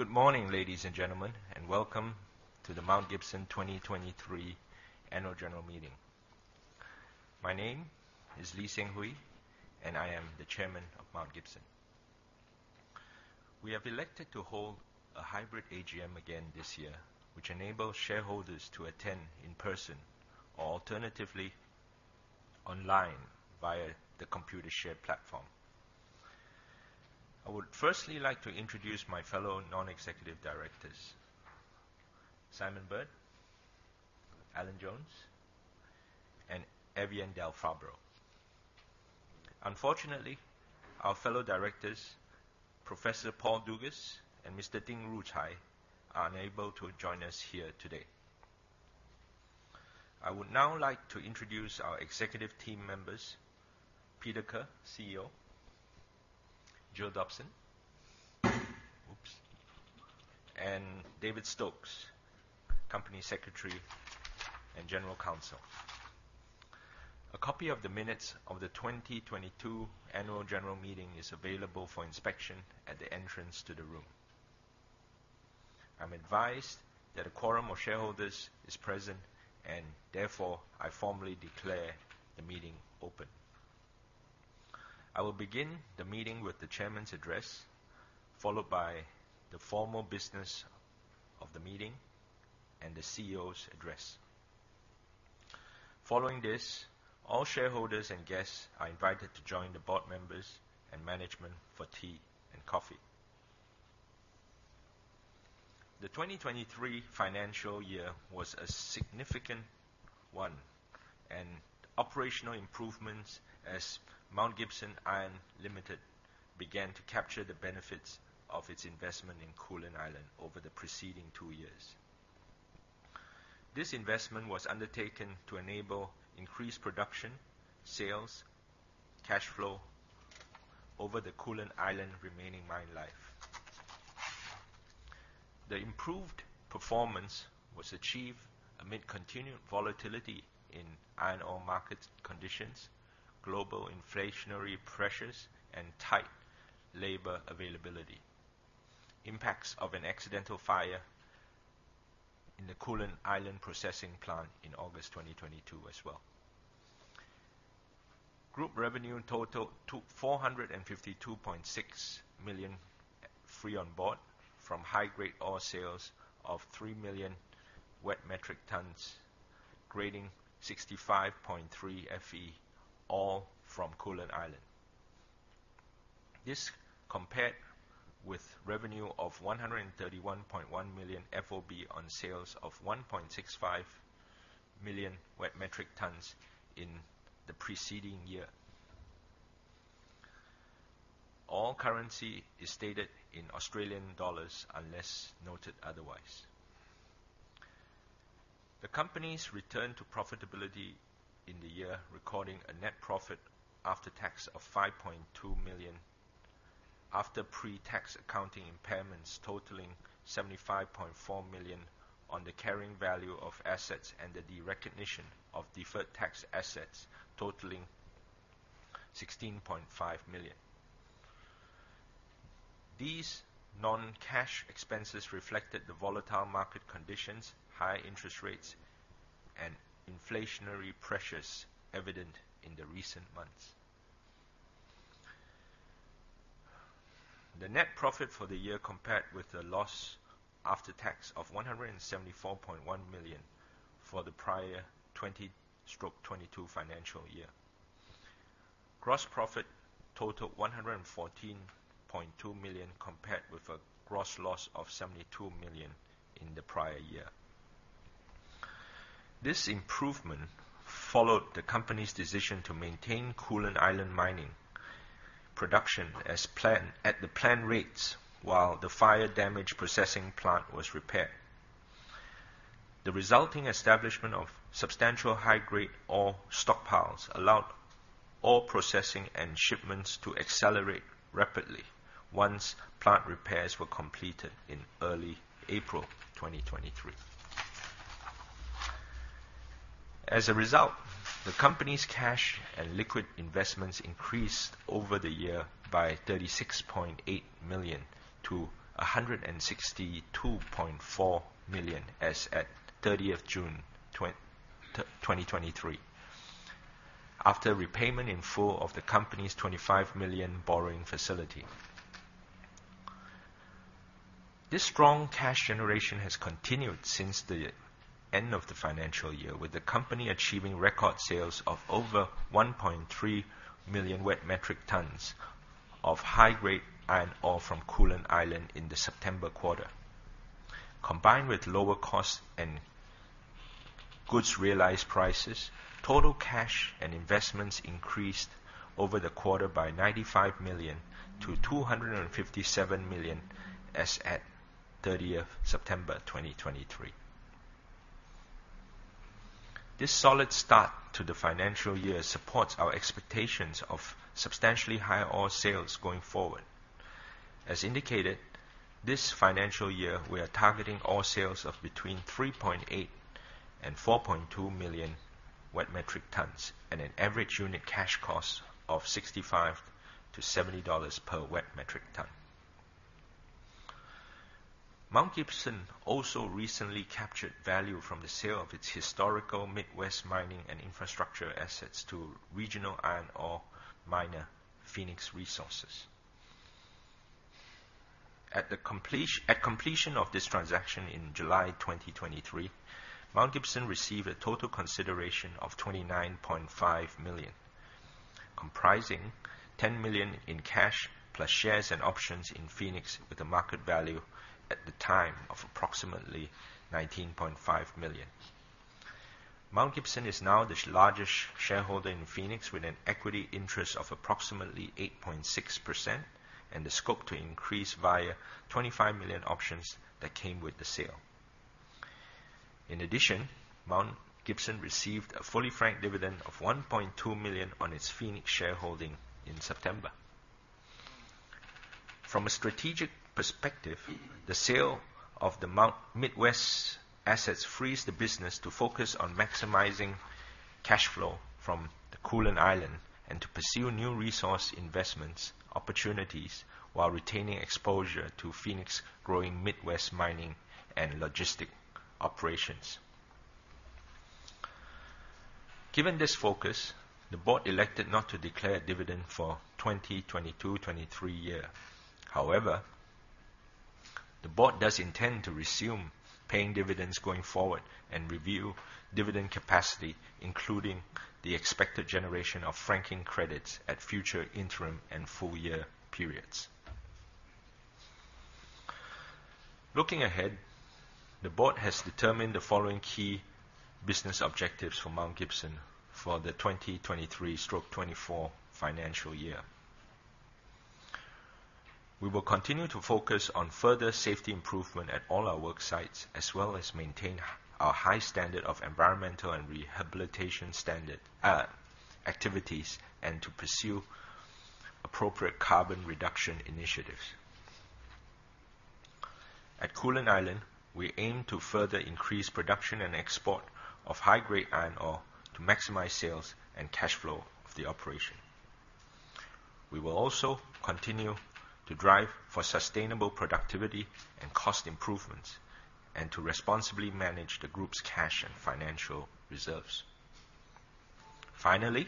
Good morning, ladies and gentlemen, and welcome to the Mount Gibson 2023 Annual General Meeting. My name is Lee Seng Hui, and I am the Chairman of Mount Gibson. We have elected to hold a hybrid AGM again this year, which enables shareholders to attend in person or alternatively, online via the Computershare platform. I would firstly like to introduce my fellow Non-executive Directors, Simon Bird, Alan Jones, and Evian Delfabbro. Unfortunately, our fellow directors, Professor Paul Dougas and Mr. Ding Rucai, are unable to join us here today. I would now like to introduce our executive team members, Peter Kerr, CEO, Gill Dobson, oops, and David Stokes, Company Secretary and General Counsel. A copy of the minutes of the 2022 Annual General Meeting is available for inspection at the entrance to the room. I'm advised that a quorum of shareholders is present, and therefore, I formally declare the meeting open. I will begin the meeting with the chairman's address, followed by the formal business of the meeting and the CEO's address. Following this, all shareholders and guests are invited to join the board members and management for tea and coffee. The 2023 financial year was a significant one, and operational improvements as Mount Gibson Iron Limited began to capture the benefits of its investment in Koolan Island over the preceding two years. This investment was undertaken to enable increased production, sales, cash flow over the Koolan Island remaining mine life. The improved performance was achieved amid continued volatility in iron ore market conditions, global inflationary pressures and tight labor availability. Impacts of an accidental fire in the Koolan Island processing plant in August 2022 as well. Group revenue in total took 452.6 million FOB from high-grade ore sales of 3 million wet metric tons, grading 65.3 Fe, all from Koolan Island. This compared with revenue of 131.1 million FOB on sales of 1.65 million wet metric tons in the preceding year. All currency is stated in Australian dollars, unless noted otherwise. The company's return to profitability in the year, recording a net profit after tax of 5.2 million, after pre-tax accounting impairments totaling 75.4 million on the carrying value of assets and the derecognition of deferred tax assets totaling 16.5 million. These non-cash expenses reflected the volatile market conditions, high interest rates, and inflationary pressures evident in the recent months. The net profit for the year compared with the loss after tax of 174.1 million for the prior 2022 financial year. Gross profit totaled 114.2 million, compared with a gross loss of 72 million in the prior year. This improvement followed the company's decision to maintain Koolan Island mining production as planned, at the planned rates, while the fire-damaged processing plant was repaired. The resulting establishment of substantial high-grade ore stockpiles allowed ore processing and shipments to accelerate rapidly once plant repairs were completed in early April 2023. As a result, the company's cash and liquid investments increased over the year by 36.8 million-162.4 million as at 30 June 2023, after repayment in full of the company's 25 million borrowing facility. This strong cash generation has continued since the end of the financial year, with the company achieving record sales of over 1.3 million wet metric tons of high-grade iron ore from Koolan Island in the September quarter. Combined with lower costs and good realized prices, total cash and investments increased over the quarter by 95 million to 257 million as at 30 September 2023. This solid start to the financial year supports our expectations of substantially higher ore sales going forward. As indicated, this financial year, we are targeting ore sales of between 3.8 and 4.2 million wet metric tons, and an average unit cash cost of 65-70 dollars per wet metric ton. Mount Gibson also recently captured value from the sale of its historical Mid West mining and infrastructure assets to regional iron ore miner, Fenix Resources. At completion of this transaction in July 2023, Mount Gibson received a total consideration of 29.5 million, comprising 10 million in cash, plus shares and options in Fenix, with a market value at the time of approximately 19.5 million. Mount Gibson is now the largest shareholder in Fenix, with an equity interest of approximately 8.6% and the scope to increase via 25 million options that came with the sale. In addition, Mount Gibson received a fully franked dividend of 1.2 million on its Fenix shareholding in September. From a strategic perspective, the sale of the Mid West assets frees the business to focus on maximizing cash flow from the Koolan Island and to pursue new resource investment opportunities, while retaining exposure to Fenix's growing Mid West mining and logistics operations. Given this focus, the board elected not to declare a dividend for 2022-23 year. However, the board does intend to resume paying dividends going forward and review dividend capacity, including the expected generation of franking credits at future, interim and full year periods. Looking ahead, the board has determined the following key business objectives for Mount Gibson for the 2023-2024 financial year. We will continue to focus on further safety improvement at all our work sites, as well as maintain our high standard of environmental and rehabilitation standard activities, and to pursue appropriate carbon reduction initiatives. At Koolan Island, we aim to further increase production and export of high-grade iron ore to maximize sales and cash flow of the operation. We will also continue to drive for sustainable productivity and cost improvements, and to responsibly manage the group's cash and financial reserves. Finally,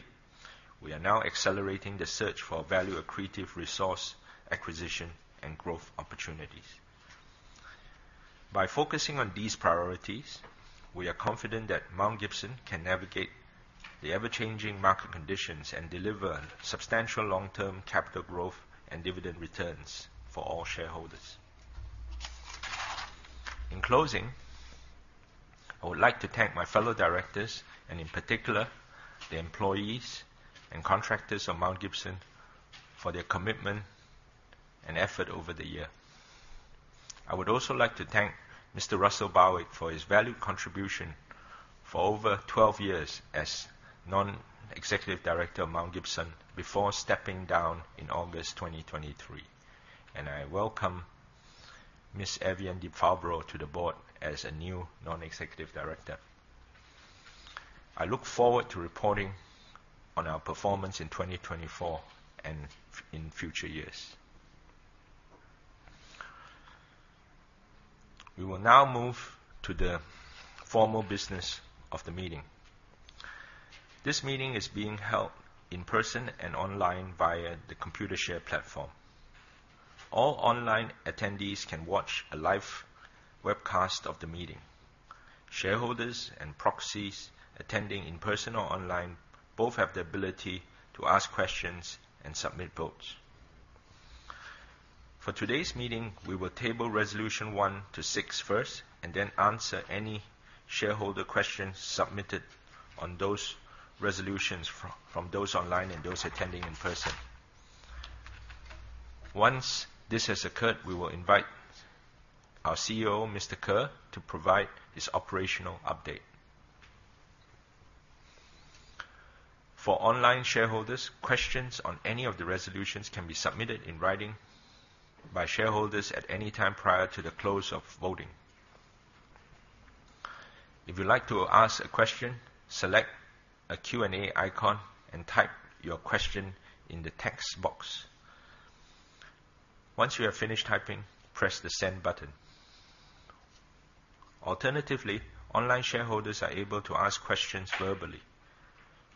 we are now accelerating the search for value accretive resource acquisition and growth opportunities. By focusing on these priorities, we are confident that Mount Gibson can navigate the ever-changing market conditions and deliver substantial long-term capital growth and dividend returns for all shareholders. In closing, I would like to thank my fellow directors and in particular, the employees and contractors of Mount Gibson for their commitment and effort over the year. I would also like to thank Mr. Russell Barwick for his valued contribution for over 12 years as Non-executive Director of Mount Gibson before stepping down in August 2023, and I welcome Ms. Evian Delfabbro to the board as a new Non-executive Director. I look forward to reporting on our performance in 2024 and in future years. We will now move to the formal business of the meeting. This meeting is being held in person and online via the Computershare platform. All online attendees can watch a live webcast of the meeting. Shareholders and proxies attending in person or online both have the ability to ask questions and submit votes. For today's meeting, we will table Resolution 1 to 6 first, and then answer any shareholder questions submitted on those resolutions from those online and those attending in person. Once this has occurred, we will invite our CEO, Mr. Kerr, to provide his operational update. For online shareholders, questions on any of the resolutions can be submitted in writing by shareholders at any time prior to the close of voting. If you'd like to ask a question, select a Q&A icon and type your question in the text box. Once you have finished typing, press the Send button. Alternatively, online shareholders are able to ask questions verbally.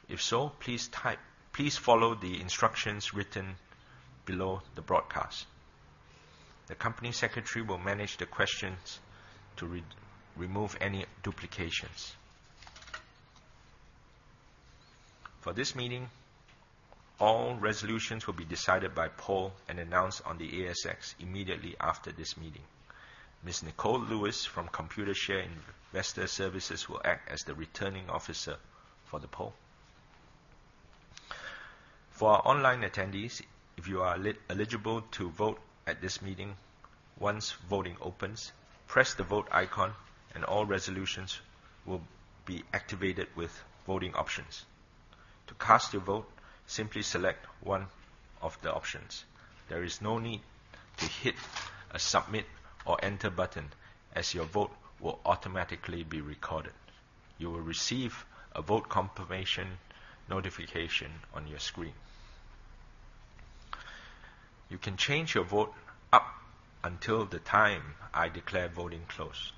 If so, please follow the instructions written below the broadcast. The Company Secretary will manage the questions to remove any duplications. For this meeting, all resolutions will be decided by poll and announced on the ASX immediately after this meeting. Ms. Nicole Lewis, from Computershare Investor Services, will act as the Returning Officer for the poll. For our online attendees, if you are eligible to vote at this meeting, once voting opens, press the Vote icon and all resolutions will be activated with voting options. To cast your vote, simply select one of the options. There is no need to hit a Submit or Enter button, as your vote will automatically be recorded. You will receive a vote confirmation notification on your screen. You can change your vote up until the time I declare voting closed.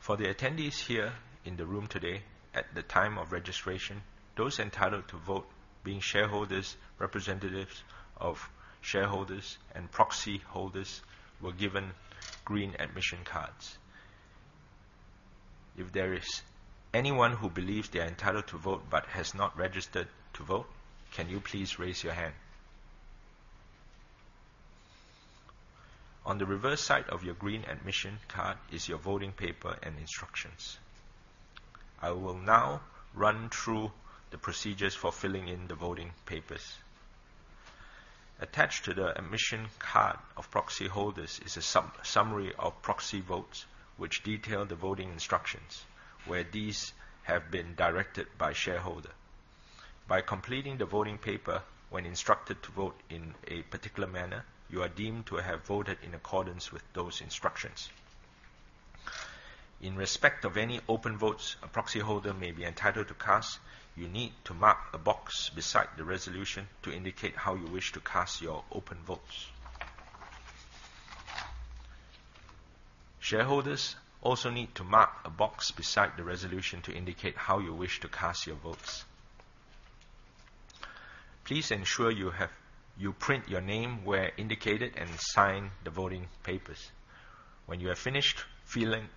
For the attendees here in the room today, at the time of registration, those entitled to vote, being shareholders, representatives of shareholders, and proxy holders, were given green admission cards. If there is anyone who believes they are entitled to vote but has not registered to vote, can you please raise your hand? On the reverse side of your green admission card is your voting paper and instructions. I will now run through the procedures for filling in the voting papers. Attached to the admission card of proxy holders is a summary of proxy votes, which detail the voting instructions, where these have been directed by shareholder. By completing the voting paper when instructed to vote in a particular manner, you are deemed to have voted in accordance with those instructions. In respect of any open votes a proxy holder may be entitled to cast, you need to mark a box beside the resolution to indicate how you wish to cast your open votes. Shareholders also need to mark a box beside the resolution to indicate how you wish to cast your votes. Please ensure you print your name where indicated, and sign the voting papers. When you have finished filling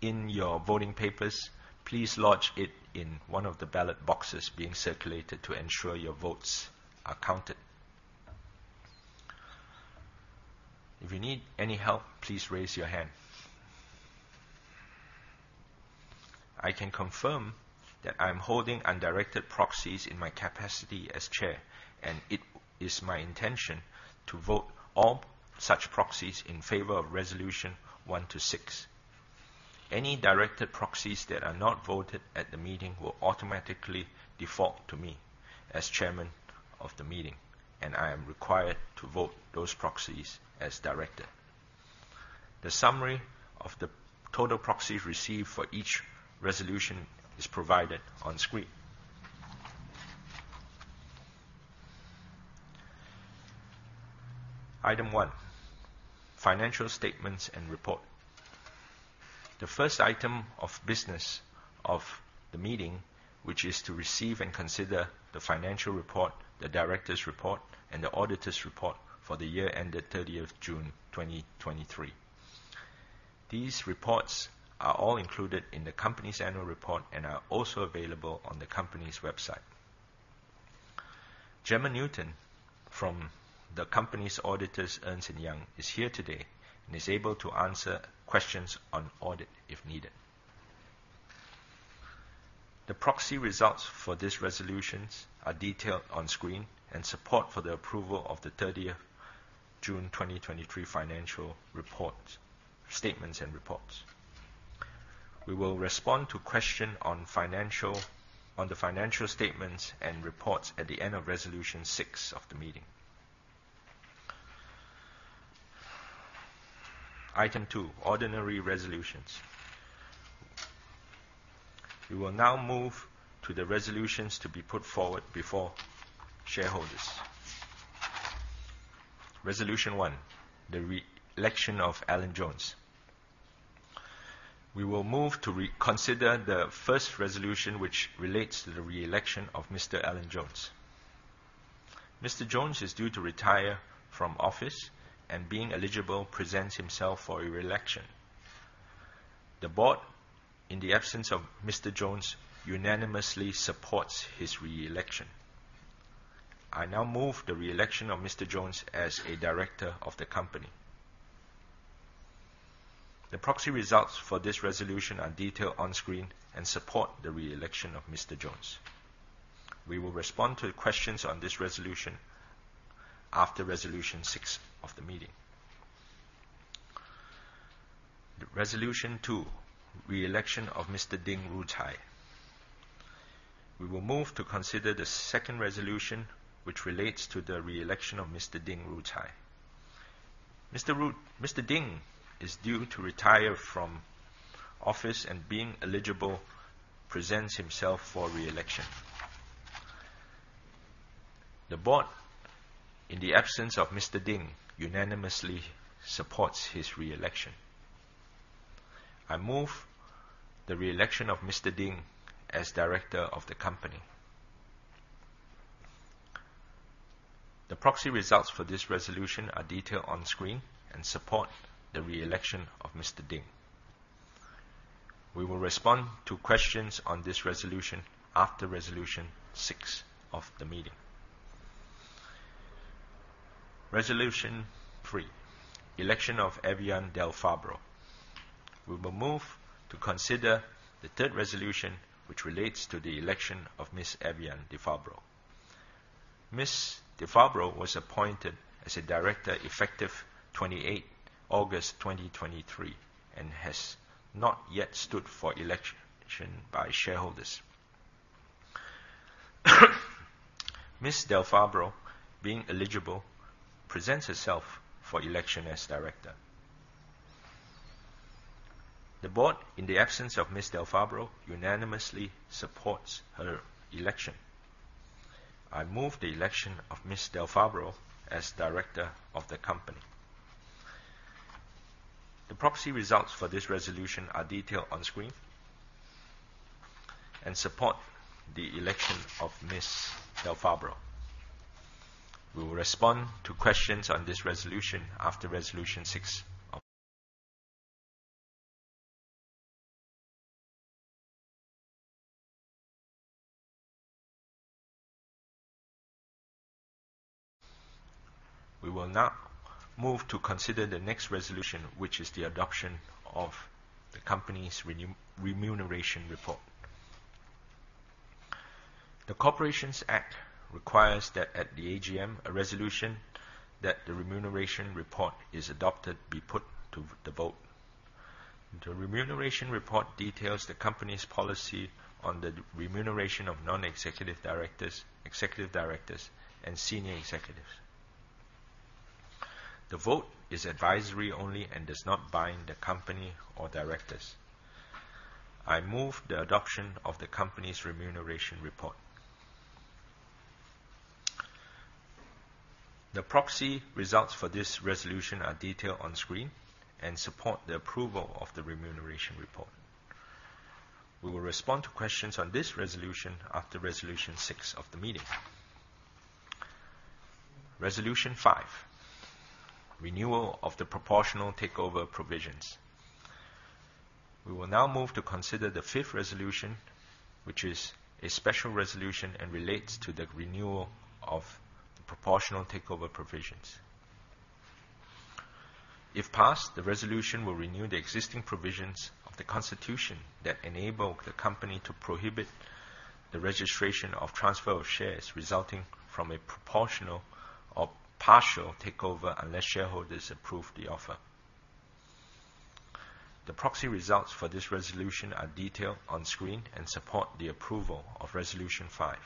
in your voting papers, please lodge it in one of the ballot boxes being circulated to ensure your votes are counted. If you need any help, please raise your hand. I can confirm that I'm holding undirected proxies in my capacity as chair, and it is my intention to vote all such proxies in favor of resolution 1 to 6. Any directed proxies that are not voted at the meeting will automatically default to me as chairman of the meeting, and I am required to vote those proxies as directed. The summary of the total proxies received for each resolution is provided on screen. Item 1, financial statements and report. The first item of business of the meeting, which is to receive and consider the financial report, the directors' report, and the auditors' report for the year ended 30th June 2023. These reports are all included in the company's annual report and are also available on the company's website. Jemma Newton, from the company's auditors, Ernst & Young, is here today and is able to answer questions on audit if needed. The proxy results for these resolutions are detailed on screen, and support for the approval of the 30th June 2023 financial report, statements and reports. We will respond to questions on the financial statements and reports at the end of resolution six of the meeting. Item two, ordinary resolutions. We will now move to the resolutions to be put forward before shareholders. Resolution one, the re-election of Alan Jones. We will move to consider the first resolution, which relates to the re-election of Mr. Alan Jones. Mr. Jones is due to retire from office and, being eligible, presents himself for re-election. The board, in the absence of Mr. Jones, unanimously supports his re-election. I now move the re-election of Mr. Jones as a director of the company. The proxy results for this resolution are detailed on screen and support the re-election of Mr. Jones. We will respond to questions on this resolution after resolution six of the meeting. Resolution two, re-election of Mr. Ding Rucai. We will move to consider the second resolution, which relates to the re-election of Mr. Ding Rucai. Mr. Ding is due to retire from office and, being eligible, presents himself for re-election. The board, in the absence of Mr. Ding, unanimously supports his re-election. I move the re-election of Mr. Ding as director of the company. The proxy results for this resolution are detailed on screen and support the re-election of Mr. Ding. We will respond to questions on this resolution after resolution six of the meeting. Resolution three, election of Evian Delfabbro. We will move to consider the third resolution, which relates to the election of Ms. Evian Delfabbro. Ms. Delfabbro was appointed as a director effective 28 August 2023, and has not yet stood for election by shareholders. Ms. Delfabbro, being eligible, presents herself for election as director. The board, in the absence of Ms. Delfabbro, unanimously supports her election. I move the election of Ms. Delfabbro as director of the company. The proxy results for this resolution are detailed on screen and support the election of Ms. Delfabbro. We will respond to questions on this resolution after Resolution Six. We will now move to consider the next resolution, which is the adoption of the company's remuneration report. The Corporations Act requires that at the AGM, a resolution that the remuneration report is adopted, be put to the vote. The remuneration report details the company's policy on the remuneration of Non-executive Directors, executive directors and senior executives. The vote is advisory only and does not bind the company or directors. I move the adoption of the company's remuneration report. The proxy results for this resolution are detailed on screen and support the approval of the remuneration report. We will respond to questions on this resolution after Resolution Six of the meeting. Resolution Five: Renewal of the proportional takeover provisions. We will now move to consider the 5th resolution, which is a special resolution and relates to the renewal of the proportional takeover provisions. If passed, the resolution will renew the existing provisions of the Constitution that enable the company to prohibit the registration of transfer of shares resulting from a proportional or partial takeover, unless shareholders approve the offer. The proxy results for this resolution are detailed on screen and support the approval of Resolution Five.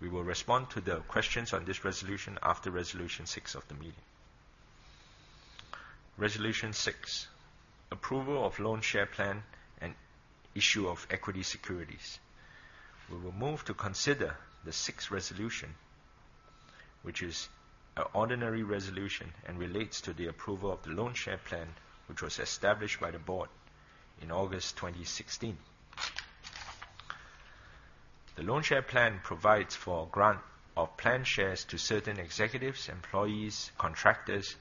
We will respond to the questions on this resolution after Resolution Six of the meeting. Resolution Six: Approval of Loan Share Plan and Issue of Equity Securities. We will move to consider the sixth resolution, which is an ordinary resolution and relates to the approval of the Loan Share Plan, which was established by the board in August 2016. The Loan Share Plan provides for grant of plan shares to certain executives, employees, contractors,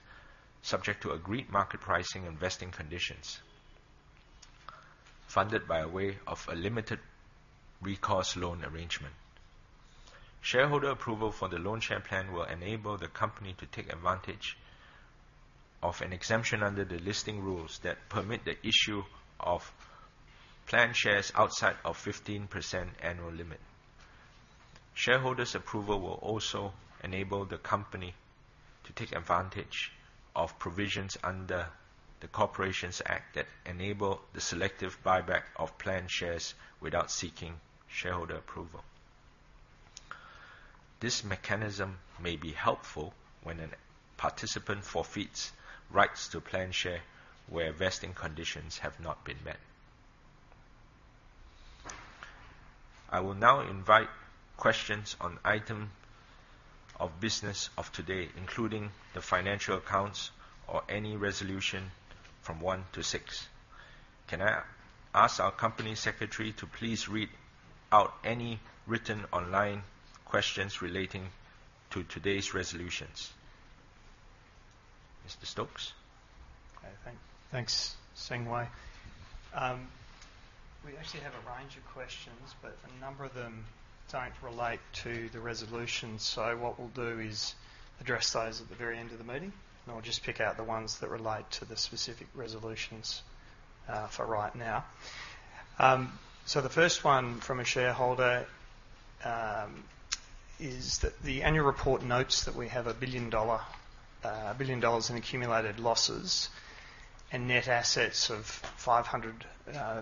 subject to agreed market pricing and vesting conditions, funded by way of a limited recourse loan arrangement. Shareholder approval for the Loan Share Plan will enable the company to take advantage of an exemption under the listing rules that permit the issue of plan shares outside of 15% annual limit. Shareholders' approval will also enable the company to take advantage of provisions under the Corporations Act that enable the selective buyback of plan shares without seeking shareholder approval. This mechanism may be helpful when a participant forfeits rights to plan shares, where vesting conditions have not been met. I will now invite questions on item of business of today, including the financial accounts or any resolution from 1 to 6. Can I ask our Company Secretary to please read out any written online questions relating to today's resolutions? Mr. Stokes? Okay. Thanks, Seng-Hui. We actually have a range of questions, but a number of them don't relate to the resolution. So what we'll do is address those at the very end of the meeting, and I'll just pick out the ones that relate to the specific resolutions, for right now. So the first one from a shareholder is that the annual report notes that we have 1 billion dollar in accumulated losses and net assets of 500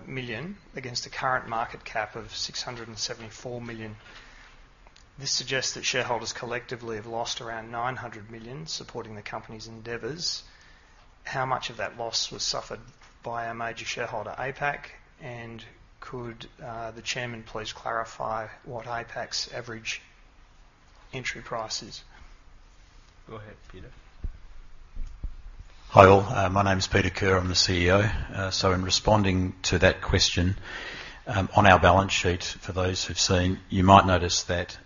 million, against a current market cap of 674 million. This suggests that shareholders collectively have lost around 900 million supporting the company's endeavors. How much of that loss was suffered by our major shareholder, APAC? And could the chairman please clarify what APAC's average entry price is? Go ahead, Peter. Hi, all. My name is Peter Kerr, I'm the CEO. So in responding to that question, on our balance sheet, for those who've seen, you might notice that,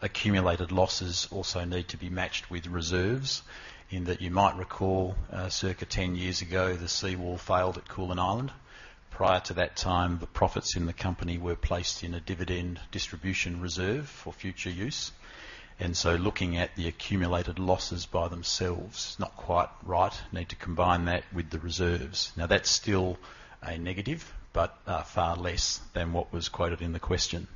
accumulated losses also need to be matched with reserves, in that you might recall, circa 10 years ago, the seawall failed at Koolan Island. Prior to that time, the profits in the company were placed in a dividend distribution reserve for future use. So looking at the accumulated losses by themselves, not quite right. Need to combine that with the reserves. Now, that's still a negative, but, far less than what was quoted in the question.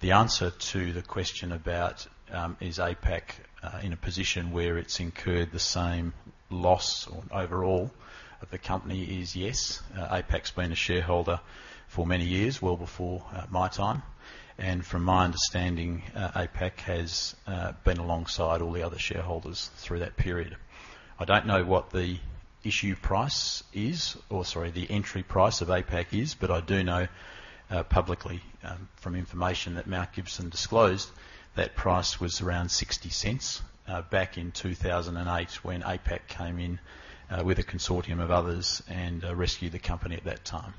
The answer to the question about, is APAC, in a position where it's incurred the same loss or overall of the company is yes. APAC's been a shareholder for many years, well before my time, and from my understanding, APAC has been alongside all the other shareholders through that period. I don't know what the issue price is, or sorry, the entry price of APAC is, but I do know, publicly, from information that Mount Gibson disclosed, that price was around 0.60 back in 2008, when APAC came in with a consortium of others and rescued the company at that time.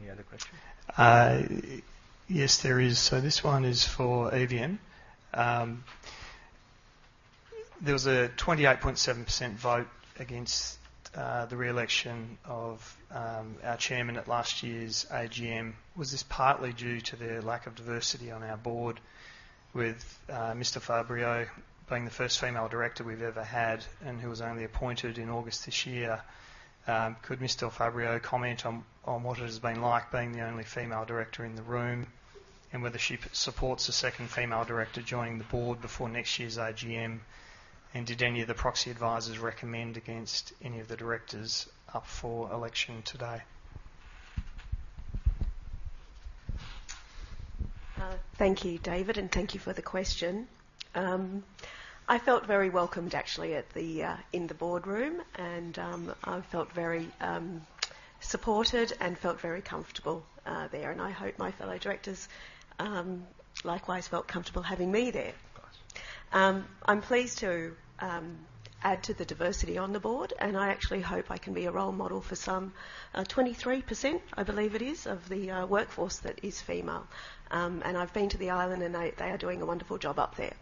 Thank you. Mr. Stokes, is there any other question? Yes, there is. So this one is for Evian. There was a 28.7% vote against the re-election of our chairman at last year's AGM. Was this partly due to the lack of diversity on our board with Ms. Delfabbro being the first female director we've ever had, and who was only appointed in August this year? Could Ms. Delfabbro comment on what it has been like being the only female director in the room, and whether she supports a second female director joining the board before next year's AGM? And did any of the proxy advisors recommend against any of the directors up for election today? Thank you, David, and thank you for the question. I felt very welcomed, actually, in the boardroom, and I felt very supported and felt very comfortable there, and I hope my fellow directors likewise felt comfortable having me there. I'm pleased to add to the diversity on the board, and I actually hope I can be a role model for some 23%, I believe it is, of the workforce that is female. And I've been to the island, and they are doing a wonderful job up there.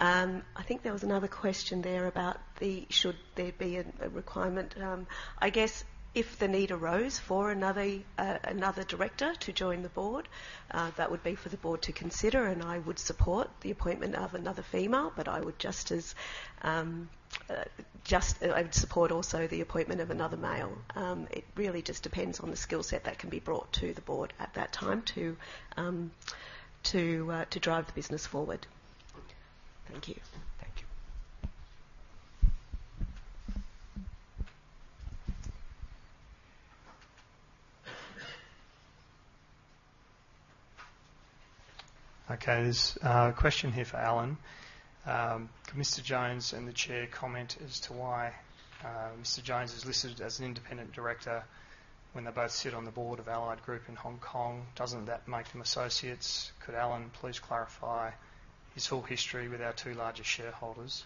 I think there was another question there about the, should there be a requirement? I guess if the need arose for another director to join the board, that would be for the board to consider, and I would support the appointment of another female, but I would just as I would support also the appointment of another male. It really just depends on the skill set that can be brought to the board at that time to drive the business forward. Thank you. Thank you. Okay, there's a question here for Alan. Can Mr. Jones and the Chair comment as to why Mr. Jones is listed as an independent director when they both sit on the board of Allied Group in Hong Kong? Doesn't that make them associates? Could Alan please clarify his whole history with our two largest shareholders?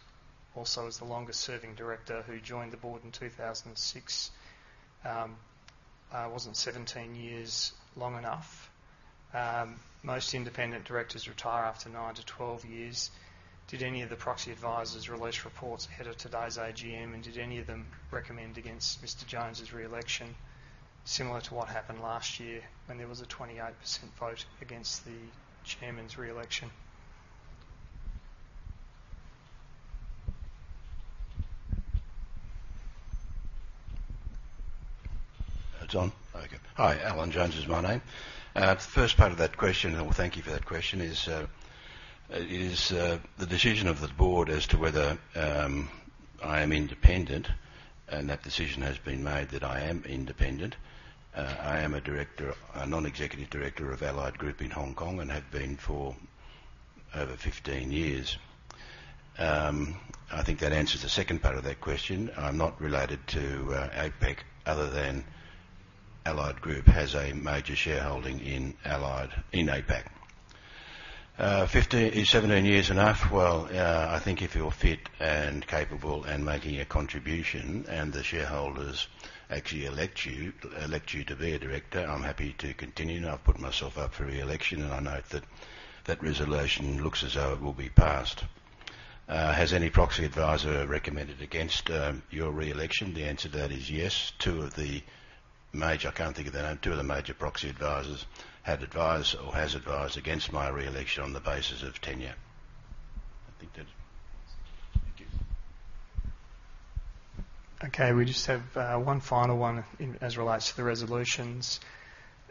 Also, as the longest-serving director who joined the board in 2006, wasn't 17 years long enough? Most independent directors retire after 9-12 years. Did any of the proxy advisors release reports ahead of today's AGM, and did any of them recommend against Mr. Jones's re-election, similar to what happened last year when there was a 28% vote against the chairman's re-election? It's on? Okay. Hi, Alan Jones is my name. The first part of that question, well, thank you for that question, is the decision of the board as to whether I am independent, and that decision has been made that I am independent. I am a director, a Non-executive Director of Allied Group in Hong Kong and have been for over 15 years. I think that answers the second part of that question. I'm not related to APAC, other than Allied Group has a major shareholding in Allied, in APAC. 15-- is 17 years enough? Well, I think if you're fit and capable and making a contribution, and the shareholders actually elect you, elect you to be a director, I'm happy to continue, and I've put myself up for re-election, and I note that that resolution looks as though it will be passed. Has any proxy advisor recommended against your re-election? The answer to that is yes. Two of the major, I can't think of the name. Two of the major proxy advisors had advised or has advised against my re-election on the basis of tenure. I think that. Thank you. Okay, we just have one final one in, as it relates to the resolutions.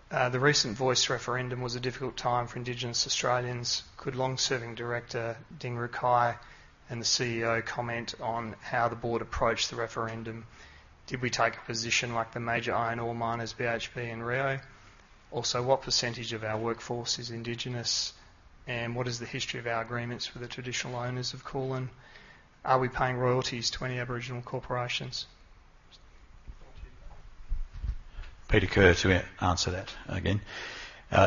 The recent Voice referendum was a difficult time for Indigenous Australians. Could long-serving director Ding Rucai and the CEO comment on how the board approached the referendum? Did we take a position like the major iron ore miners, BHP and Rio? Also, what percentage of our workforce is Indigenous, and what is the history of our agreements with the Traditional Owners of Koolan? Are we paying royalties to any Aboriginal corporations? Peter Kerr to answer that again.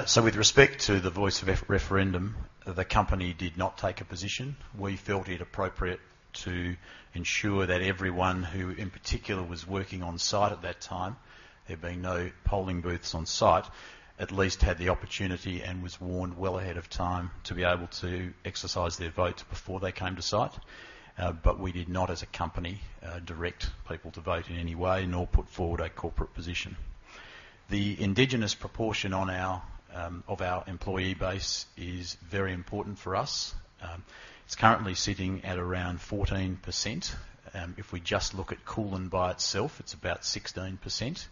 So with respect to the Voice referendum, the company did not take a position. We felt it appropriate to ensure that everyone who, in particular, was working on site at that time, there being no polling booths on site, at least had the opportunity and was warned well ahead of time to be able to exercise their vote before they came to site. But we did not, as a company, direct people to vote in any way, nor put forward a corporate position. The Indigenous proportion of our employee base is very important for us. It's currently sitting at around 14%. If we just look at Koolan by itself, it's about 16%.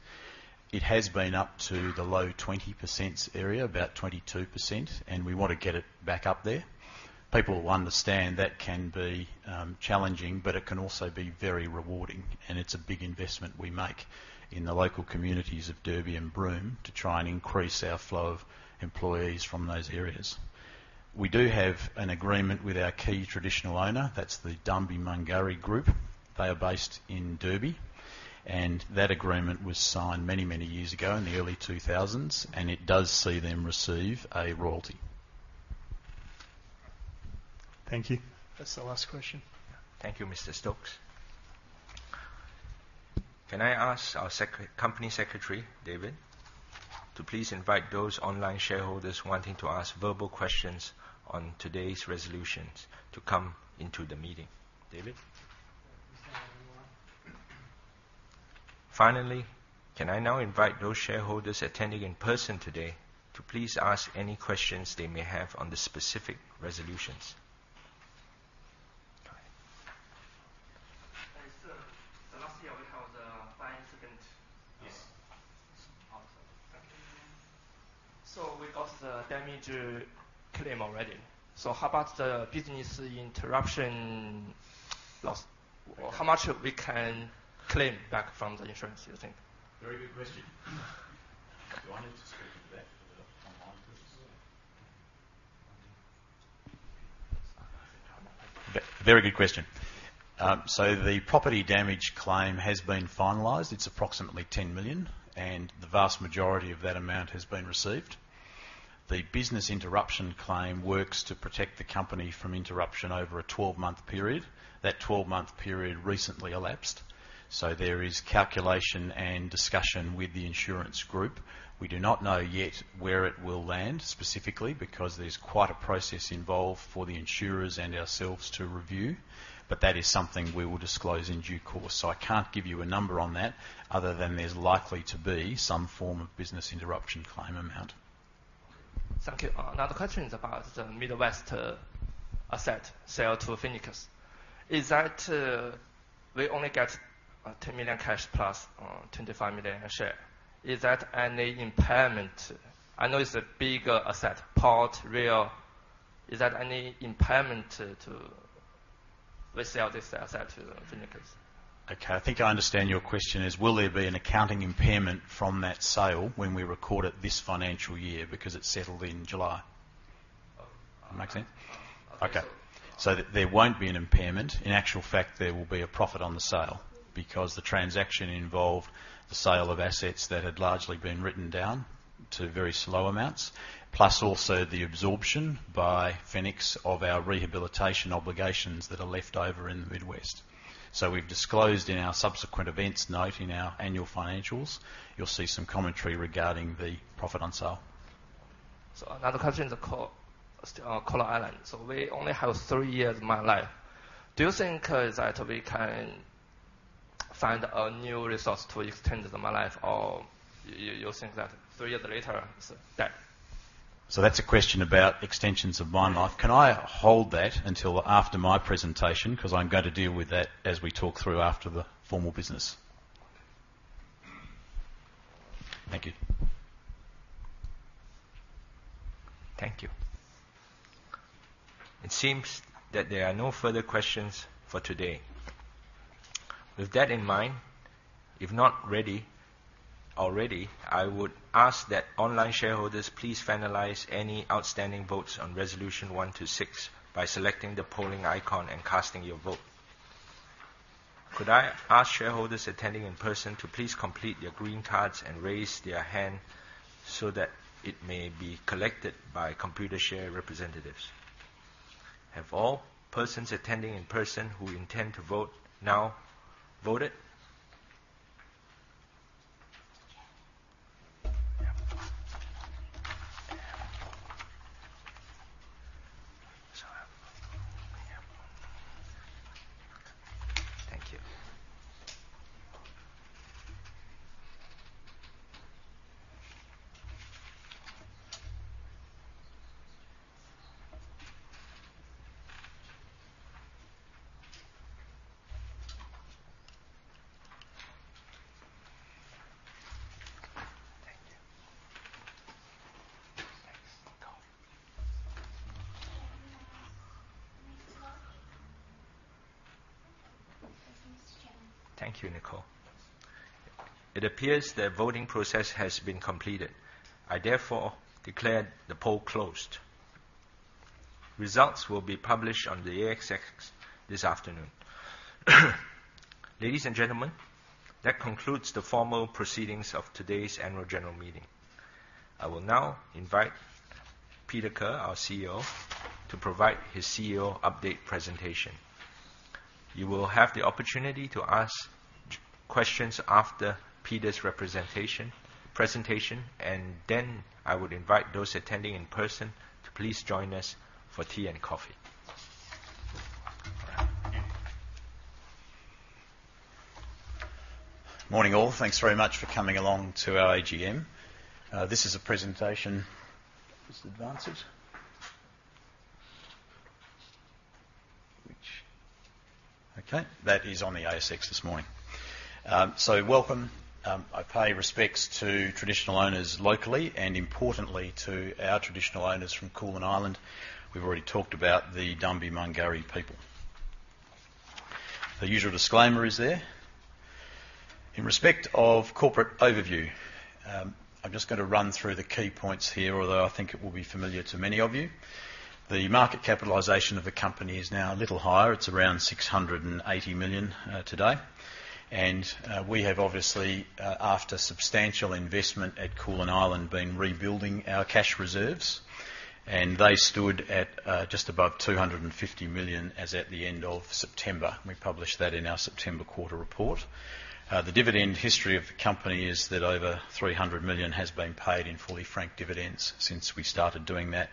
It has been up to the low 20% area, about 22%, and we want to get it back up there. People will understand that can be challenging, but it can also be very rewarding, and it's a big investment we make in the local communities of Derby and Broome to try and increase our flow of employees from those areas. We do have an agreement with our key Traditional Owner, that's the Dambimangari group. They are based in Derby, and that agreement was signed many, many years ago, in the early 2000s, and it does see them receive a royalty. Thank you. That's the last question. Thank you, Mr. Stokes. Can I ask our Company Secretary, David, to please invite those online shareholders wanting to ask verbal questions on today's resolutions to come into the meeting. David? Finally, can I now invite those shareholders attending in person today to please ask any questions they may have on the specific resolutions? Go ahead. Hi, sir. So last year we had a fire incident. Yes. So we got the damage claim already. So how about the business interruption loss? How much we can claim back from the insurance, you think? Very good question. Do I need to speak into that for the online folks? Very good question. So the property damage claim has been finalized. It's approximately 10 million, and the vast majority of that amount has been received. The business interruption claim works to protect the company from interruption over a 12-month period. That 12-month period recently elapsed, so there is calculation and discussion with the insurance group. We do not know yet where it will land specifically, because there's quite a process involved for the insurers and ourselves to review, but that is something we will disclose in due course. So I can't give you a number on that, other than there's likely to be some form of business interruption claim amount. Thank you. Another question is about the Mid West asset sale to Fenix. Is that we only get 10 million cash plus 25 million share. Is that any impairment? I know it's a big asset, port, rail. Is there any impairment to, We sell this asset to Fenix. Okay, I think I understand. Your question is, will there be an accounting impairment from that sale when we record it this financial year because it settled in July? Oh. Make sense? Uh. Okay. So there won't be an impairment. In actual fact, there will be a profit on the sale because the transaction involved the sale of assets that had largely been written down to very low amounts, plus also the absorption by Fenix of our rehabilitation obligations that are left over in the Mid West. So we've disclosed in our subsequent events note in our annual financials, you'll see some commentary regarding the profit on sale. So another question is Koolan Island. So we only have three years mine life. Do you think that we can find a new resource to extend the mine life, or you think that three years later, it's dead? That's a question about extensions of mine life. Can I hold that until after my presentation? Because I'm going to deal with that as we talk through after the formal business. Thank you. Thank you. It seems that there are no further questions for today. With that in mind, if not ready already, I would ask that online shareholders please finalize any outstanding votes on resolutions 1-6 by selecting the polling icon and casting your vote. Could I ask shareholders attending in person to please complete your green cards and raise their hand so that it may be collected by Computershare representatives? Have all persons attending in person who intend to vote now voted? Thank you. Thank you, Nicole. It appears the voting process has been completed. I therefore declare the poll closed. Results will be published on the ASX this afternoon. Ladies and gentlemen, that concludes the formal proceedings of today's annual general meeting. I will now invite Peter Kerr, our CEO, to provide his CEO update presentation. You will have the opportunity to ask questions after Peter's representation, presentation, and then I would invite those attending in person to please join us for tea and coffee. Morning, all. Thanks very much for coming along to our AGM. This is a presentation. Just advance it. Which? Okay, that is on the ASX this morning. So welcome. I pay respects to Traditional Owners locally and importantly, to our Traditional Owners from Koolan Island. We've already talked about the Dambimangari people. The usual disclaimer is there. In respect of corporate overview, I'm just going to run through the key points here, although I think it will be familiar to many of you. The market capitalization of the company is now a little higher. It's around 680 million today, and we have obviously, after substantial investment at Koolan Island, been rebuilding our cash reserves, and they stood at just above 250 million as at the end of September. We published that in our September quarter report. The dividend history of the company is that over 300 million has been paid in fully franked dividends since we started doing that,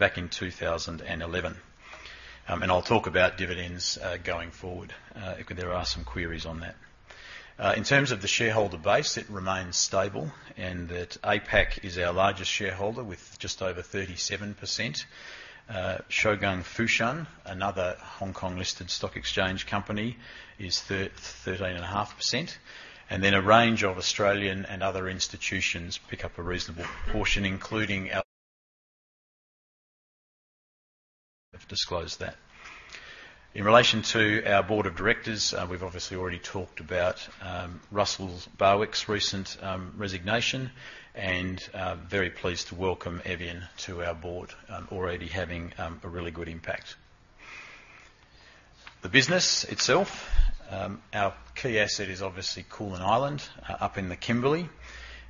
back in 2011. And I'll talk about dividends, going forward, if there are some queries on that. In terms of the shareholder base, it remains stable, and that APAC is our largest shareholder, with just over 37%. Shougang Fushan, another Hong Kong-listed stock exchange company, is 13.5%, and then a range of Australian and other institutions pick up a reasonable proportion, including our... Disclosed that. In relation to our board of directors, we've obviously already talked about, Russell Barwick's recent, resignation, and, I'm very pleased to welcome Evian to our board, already having, a really good impact. The business itself, our key asset is obviously Koolan Island, up in the Kimberley.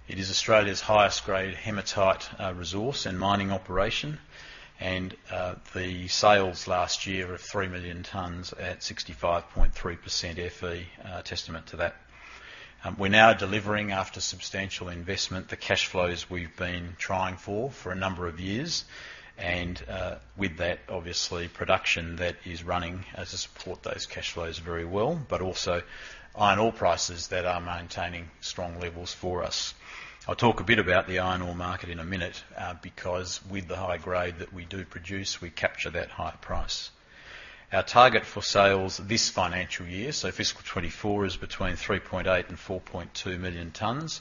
It is Australia's highest grade hematite resource and mining operation, and the sales last year of 3 million tons at 65.3% Fe are a testament to that. We're now delivering, after substantial investment, the cash flows we've been trying for, for a number of years, and with that, obviously, production that is running as to support those cash flows very well, but also iron ore prices that are maintaining strong levels for us. I'll talk a bit about the iron ore market in a minute, because with the high grade that we do produce, we capture that higher price. Our target for sales this financial year, so fiscal 2024, is between 3.8 and 4.2 million tons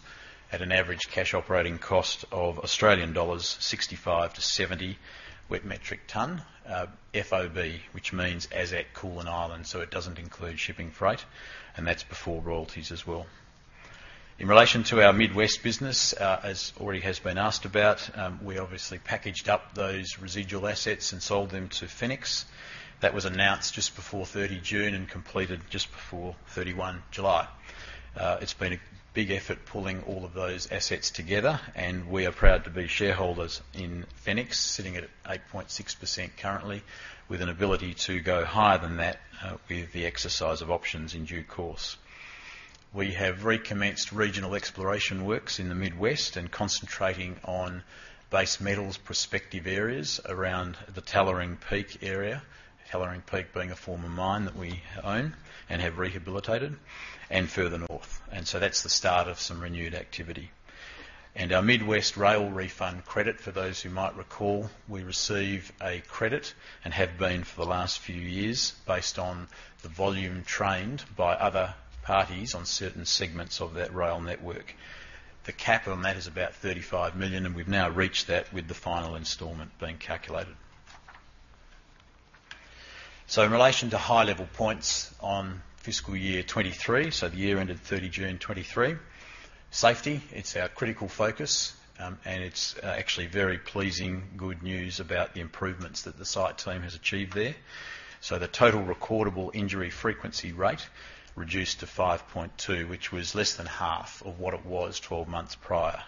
at an average cash operating cost of Australian dollars 65-70 wet metric ton, FOB, which means as at Koolan Island, so it doesn't include shipping freight, and that's before royalties as well. In relation to our Mid West business, as already has been asked about, we obviously packaged up those residual assets and sold them to Fenix. That was announced just before 30 June and completed just before 31 July. It's been a big effort pulling all of those assets together, and we are proud to be shareholders in Fenix, sitting at 8.6% currently, with an ability to go higher than that, with the exercise of options in due course. We have recommenced regional exploration works in the Mid West, and concentrating on base metals prospective areas around the Tallering Peak area. Tallering Peak being a former mine that we own and have rehabilitated and further north, and so that's the start of some renewed activity. Our Mid West rail refund credit, for those who might recall, we receive a credit and have been for the last few years based on the volume transported by other parties on certain segments of that rail network. The cap on that is about 35 million, and we've now reached that with the final installment being calculated. In relation to high-level points on fiscal year 2023, so the year ended 30 June 2023. Safety, it's our critical focus, and it's actually very pleasing, good news about the improvements that the site team has achieved there. So the total recordable injury frequency rate reduced to 5.2, which was less than half of what it was 12 months prior.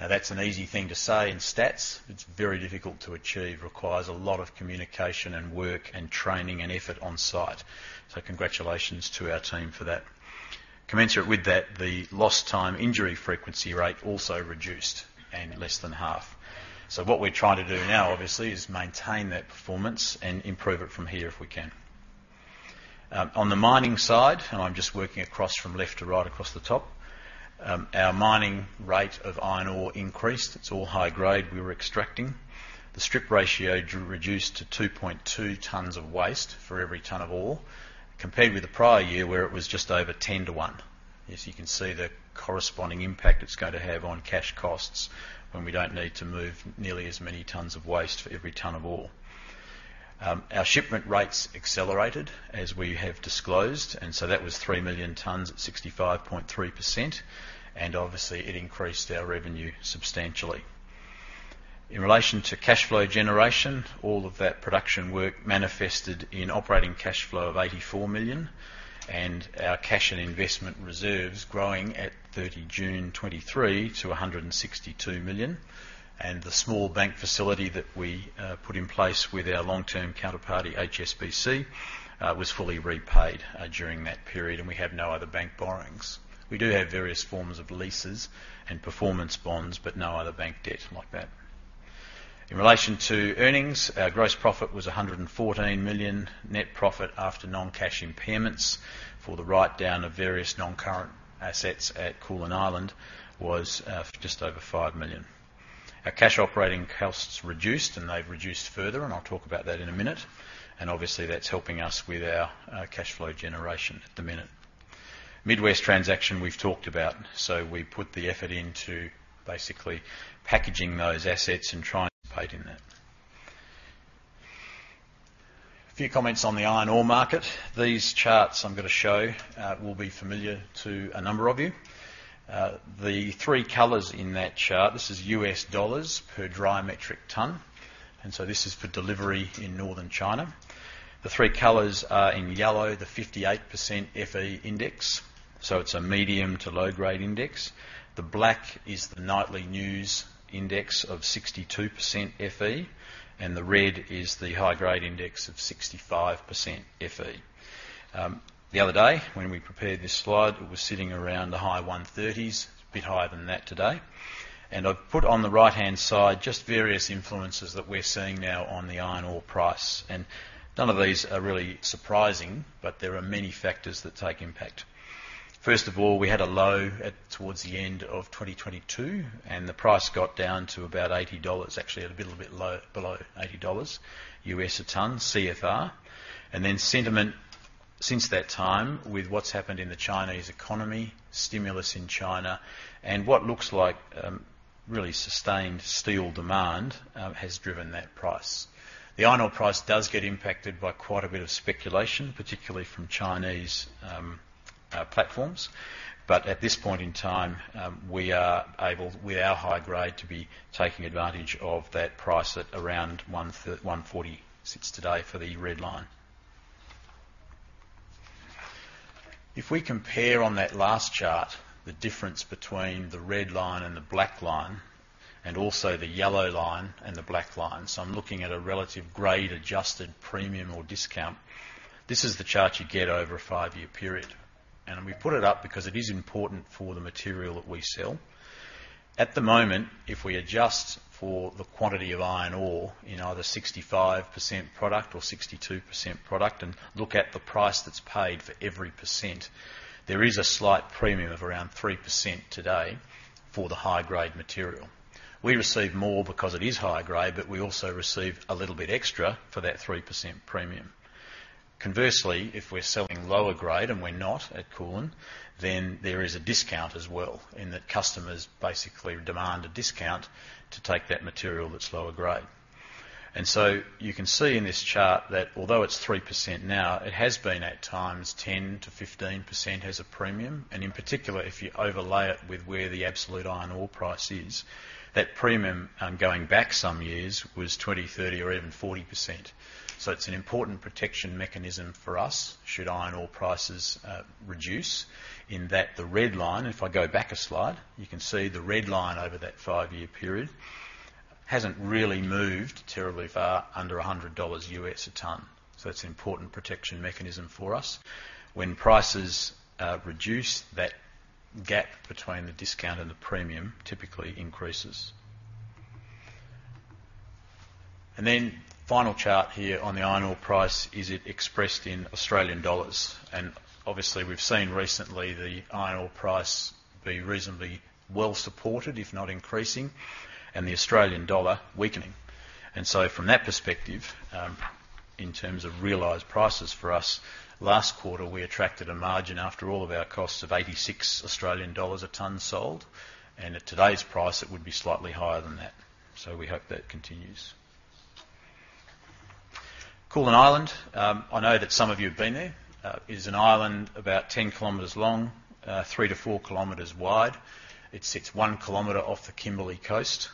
Now, that's an easy thing to say in stats. It's very difficult to achieve, requires a lot of communication and work and training and effort on site. So congratulations to our team for that. Commensurate with that, the lost time injury frequency rate also reduced and less than half. So what we're trying to do now, obviously, is maintain that performance and improve it from here if we can. On the mining side, and I'm just working across from left to right, across the top, our mining rate of iron ore increased. It's all high grade we were extracting. The strip ratio reduced to 2.2 tons of waste for every ton of ore, compared with the prior year, where it was just over 10:1. As you can see, the corresponding impact it's going to have on cash costs when we don't need to move nearly as many tons of waste for every ton of ore. Our shipment rates accelerated, as we have disclosed, and so that was 3 million tons at 65.3%, and obviously, it increased our revenue substantially. In relation to cashflow generation, all of that production work manifested in operating cash flow of 84 million, and our cash and investment reserves growing at 30 June 2023 to 162 million. The small bank facility that we put in place with our long-term counterparty, HSBC, was fully repaid during that period, and we have no other bank borrowings. We do have various forms of leases and performance bonds, but no other bank debt like that. In relation to earnings, our gross profit was 114 million. Net profit after non-cash impairments for the write-down of various non-current assets at Koolan Island was just over 5 million. Our cash operating costs reduced, and they've reduced further, and I'll talk about that in a minute. And obviously, that's helping us with our cash flow generation at the minute. Mid West transaction, we've talked about, so we put the effort into basically packaging those assets and trying to participate in that. A few comments on the iron ore market. These charts I'm going to show will be familiar to a number of you. The three colors in that chart, this is $ per dry metric ton, and so this is for delivery in northern China. The three colors are, in yellow, the 58% Fe index, so it's a medium to low-grade index. The black is the nightly news index of 62% Fe, and the red is the high-grade index of 65% Fe. The other day, when we prepared this slide, it was sitting around the high 130s, a bit higher than that today. I've put on the right-hand side just various influences that we're seeing now on the iron ore price. None of these are really surprising, but there are many factors that take impact. First of all, we had a low towards the end of 2022, and the price got down to about $80, actually, a little bit low, below $80 a ton, CFR. Then sentiment since that time, with what's happened in the Chinese economy, stimulus in China, and what looks like really sustained steel demand, has driven that price. The iron ore price does get impacted by quite a bit of speculation, particularly from Chinese platforms. But at this point in time, we are able, with our high grade, to be taking advantage of that price at around $140 sits today for the red line. If we compare on that last chart, the difference between the red line and the black line, and also the yellow line and the black line, so I'm looking at a relative grade adjusted premium or discount. This is the chart you get over a 5-year period, and we put it up because it is important for the material that we sell. At the moment, if we adjust for the quantity of iron ore in either 65% product or 62% product and look at the price that's paid for every percent, there is a slight premium of around 3% today for the high-grade material. We receive more because it is higher grade, but we also receive a little bit extra for that 3% premium. Conversely, if we're selling lower grade, and we're not at Koolan, then there is a discount as well in that customers basically demand a discount to take that material that's lower grade. And so you can see in this chart that although it's 3% now, it has been, at times, 10%-15% as a premium, and in particular, if you overlay it with where the absolute iron ore price is, that premium, going back some years, was 20%, 30%, or even 40%. So it's an important protection mechanism for us, should iron ore prices reduce, in that the red line. If I go back a slide, you can see the red line over that five-year period hasn't really moved terribly far under $100 a ton. So that's an important protection mechanism for us. When prices reduce, that gap between the discount and the premium typically increases. Then final chart here on the iron ore price, is it expressed in Australian dollars? Obviously, we've seen recently the iron ore price be reasonably well supported, if not increasing, and the Australian dollar weakening. So from that perspective, in terms of realized prices for us, last quarter, we attracted a margin, after all of our costs, of 86 Australian dollars a ton sold, and at today's price, it would be slightly higher than that. We hope that continues. Koolan Island, I know that some of you have been there, is an island about 10 kms long, 3-4 km wide. It sits 1 km off the Kimberley coast,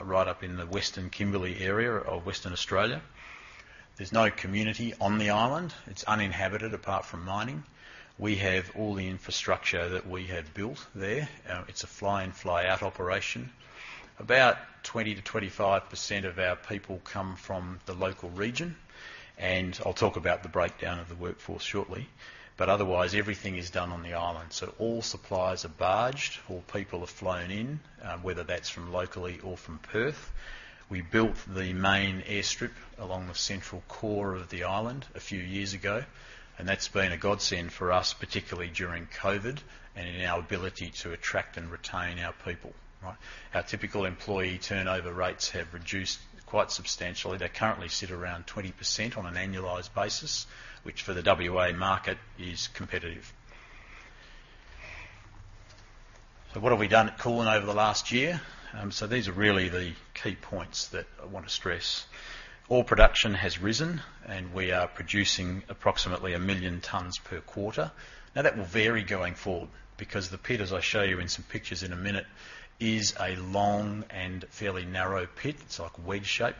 right up in the Western Kimberley area of Western Australia. There's no community on the island. It's uninhabited, apart from mining. We have all the infrastructure that we have built there. It's a fly-in, fly-out operation. About 20%-25% of our people come from the local region, and I'll talk about the breakdown of the workforce shortly. But otherwise, everything is done on the island, so all supplies are barged, all people are flown in, whether that's from locally or from Perth. We built the main airstrip along the central core of the island a few years ago, and that's been a godsend for us, particularly during COVID and in our ability to attract and retain our people, right? Our typical employee turnover rates have reduced quite substantially. They currently sit around 20% on an annualized basis, which for the WA market is competitive. So what have we done at Koolan over the last year? So these are really the key points that I want to stress. Ore production has risen, and we are producing approximately 1 million tons per quarter. Now, that will vary going forward because the pit, as I'll show you in some pictures in a minute, is a long and fairly narrow pit. It's like a wedge shape,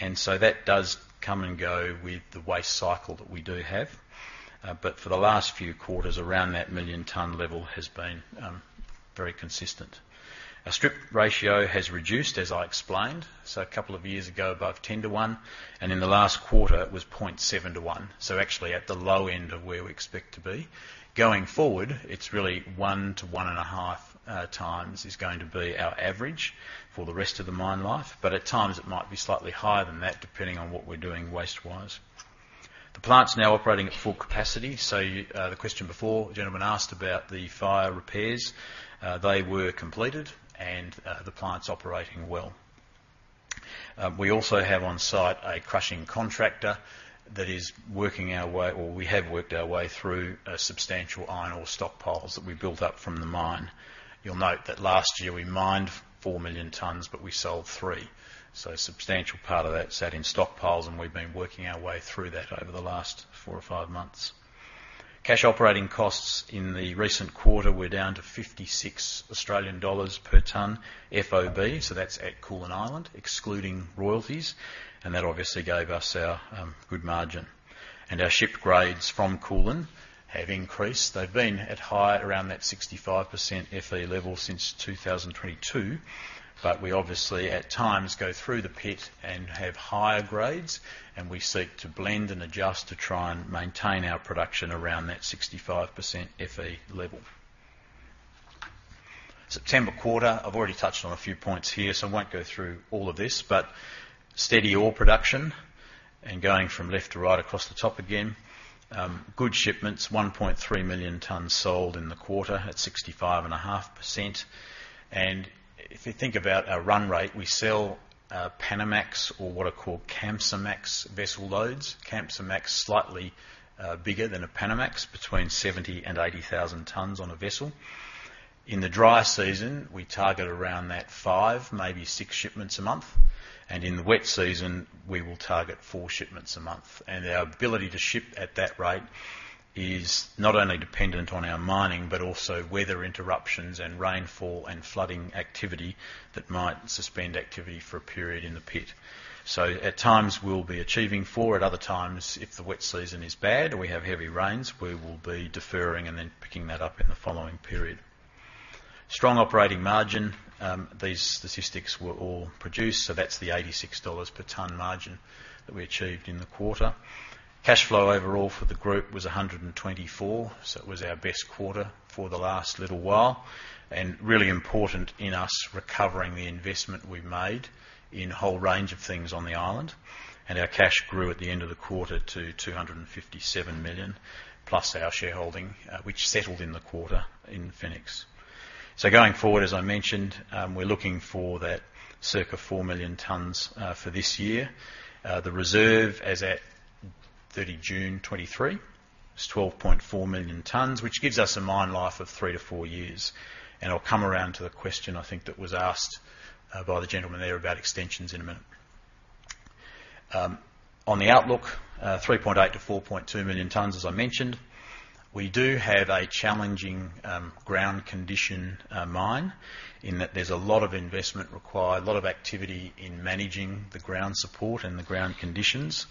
and so that does come and go with the waste cycle that we do have. But for the last few quarters, around that million-ton level has been, very consistent. Our strip ratio has reduced, as I explained, so a couple of years ago, above 10 to 1, and in the last quarter, it was 0.7 to 1. So actually at the low end of where we expect to be. Going forward, it's really 1 to 1.5 times is going to be our average for the rest of the mine life, but at times it might be slightly higher than that, depending on what we're doing waste-wise. The plant's now operating at full capacity. So you, the question before, the gentleman asked about the fire repairs. They were completed, and, the plant's operating well. We also have on site a crushing contractor that is working our way, or we have worked our way through, substantial iron ore stockpiles that we built up from the mine. You'll note that last year we mined 4 million tons, but we sold 3, so a substantial part of that sat in stockpiles, and we've been working our way through that over the last 4 or 5 months. Cash operating costs in the recent quarter were down to 56 Australian dollars per ton FOB, so that's at Koolan Island, excluding royalties, and that obviously gave us our good margin. Our shipped grades from Koolan have increased. They've been at high, around that 65% Fe level since 2022, but we obviously, at times, go through the pit and have higher grades, and we seek to blend and adjust to try and maintain our production around that 65% Fe level. September quarter, I've already touched on a few points here, so I won't go through all of this, but steady ore production and going from left to right across the top again. Good shipments, 1.3 million tons sold in the quarter at 65.5%. If you think about our run rate, we sell Panamax or what are called Kamsarmax vessel loads. Kamsarmax, slightly bigger than a Panamax, between 70,000-80,000 tons on a vessel. In the dry season, we target around 5, maybe 6 shipments a month, and in the wet season, we will target 4 shipments a month. And our ability to ship at that rate is not only dependent on our mining, but also weather interruptions and rainfall and flooding activity that might suspend activity for a period in the pit. So at times, we'll be achieving 4. At other times, if the wet season is bad or we have heavy rains, we will be deferring and then picking that up in the following period. Strong operating margin. These statistics were all produced, so that's the $86 per ton margin that we achieved in the quarter. Cash flow overall for the group was 124 million, so it was our best quarter for the last little while, and really important in us recovering the investment we've made in a whole range of things on the island. And our cash grew at the end of the quarter to 257 million, plus our shareholding, which settled in the quarter in Fenix. So going forward, as I mentioned, we're looking for that circa 4 million tons for this year. The reserve, as at 30 June 2023, is 12.4 million tons, which gives us a mine life of 3-4 years, and I'll come around to the question I think that was asked by the gentleman there about extensions in a minute. On the outlook, 3.8-4.2 million tons, as I mentioned. We do have a challenging ground condition mine, in that there's a lot of investment required, a lot of activity in managing the ground support and the ground conditions.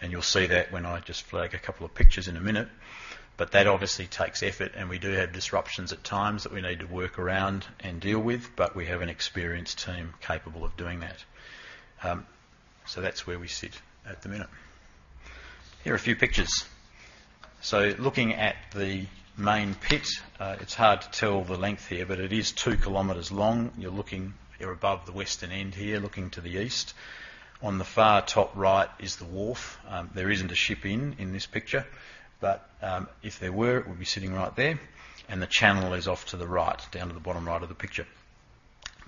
And you'll see that when I just flag a couple of pictures in a minute. But that obviously takes effort, and we do have disruptions at times that we need to work around and deal with, but we have an experienced team capable of doing that. So that's where we sit at the minute. Here are a few pictures. So looking at the main pit, it's hard to tell the length here, but it is 2 km long. You're looking-- You're above the western end here, looking to the east. On the far top right is the wharf. There isn't a ship in this picture, but if there were, it would be sitting right there, and the channel is off to the right, down to the bottom right of the picture.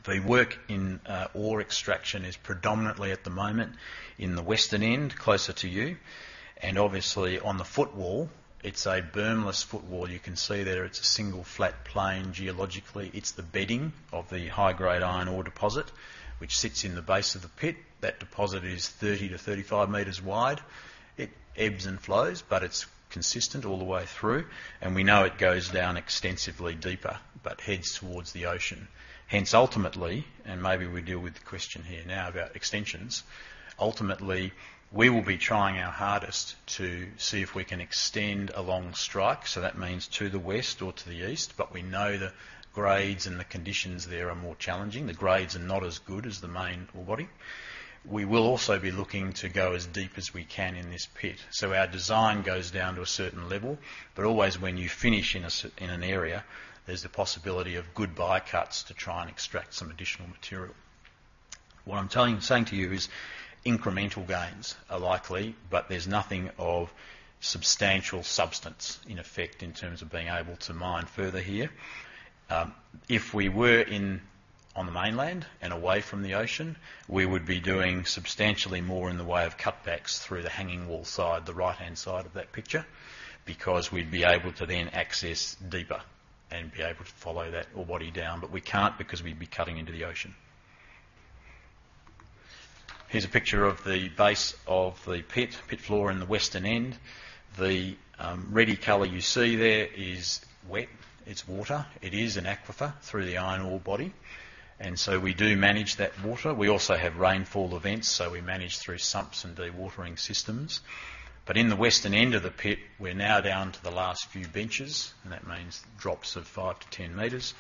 The work in ore extraction is predominantly, at the moment, in the western end, closer to you, and obviously, on the footwall, it's a bermless footwall. You can see there, it's a single flat plain. Geologically, it's the bedding of the high-grade iron ore deposit, which sits in the base of the pit. That deposit is 30-35 meters wide. It ebbs and flows, but it's consistent all the way through, and we know it goes down extensively deeper, but heads towards the ocean. Hence, ultimately, and maybe we deal with the question here now about extensions. Ultimately, we will be trying our hardest to see if we can extend along strike, so that means to the west or to the east, but we know the grades and the conditions there are more challenging. The grades are not as good as the main ore body. We will also be looking to go as deep as we can in this pit, so our design goes down to a certain level, but always when you finish in an area, there's the possibility of good by-cuts to try and extract some additional material. What I'm telling, saying to you is incremental gains are likely, but there's nothing of substantial substance in effect in terms of being able to mine further here. If we were on the mainland and away from the ocean, we would be doing substantially more in the way of cutbacks through the hanging wall side, the right-hand side of that picture, because we'd be able to then access deeper and be able to follow that ore body down. But we can't, because we'd be cutting into the ocean. Here's a picture of the base of the pit, pit floor in the western end. The red color you see there is wet. It's water. It is an aquifer through the iron ore body, and so we do manage that water. We also have rainfall events, so we manage through sumps and dewatering systems. But in the western end of the pit, we're now down to the last few benches, and that means drops of 5-10 meters,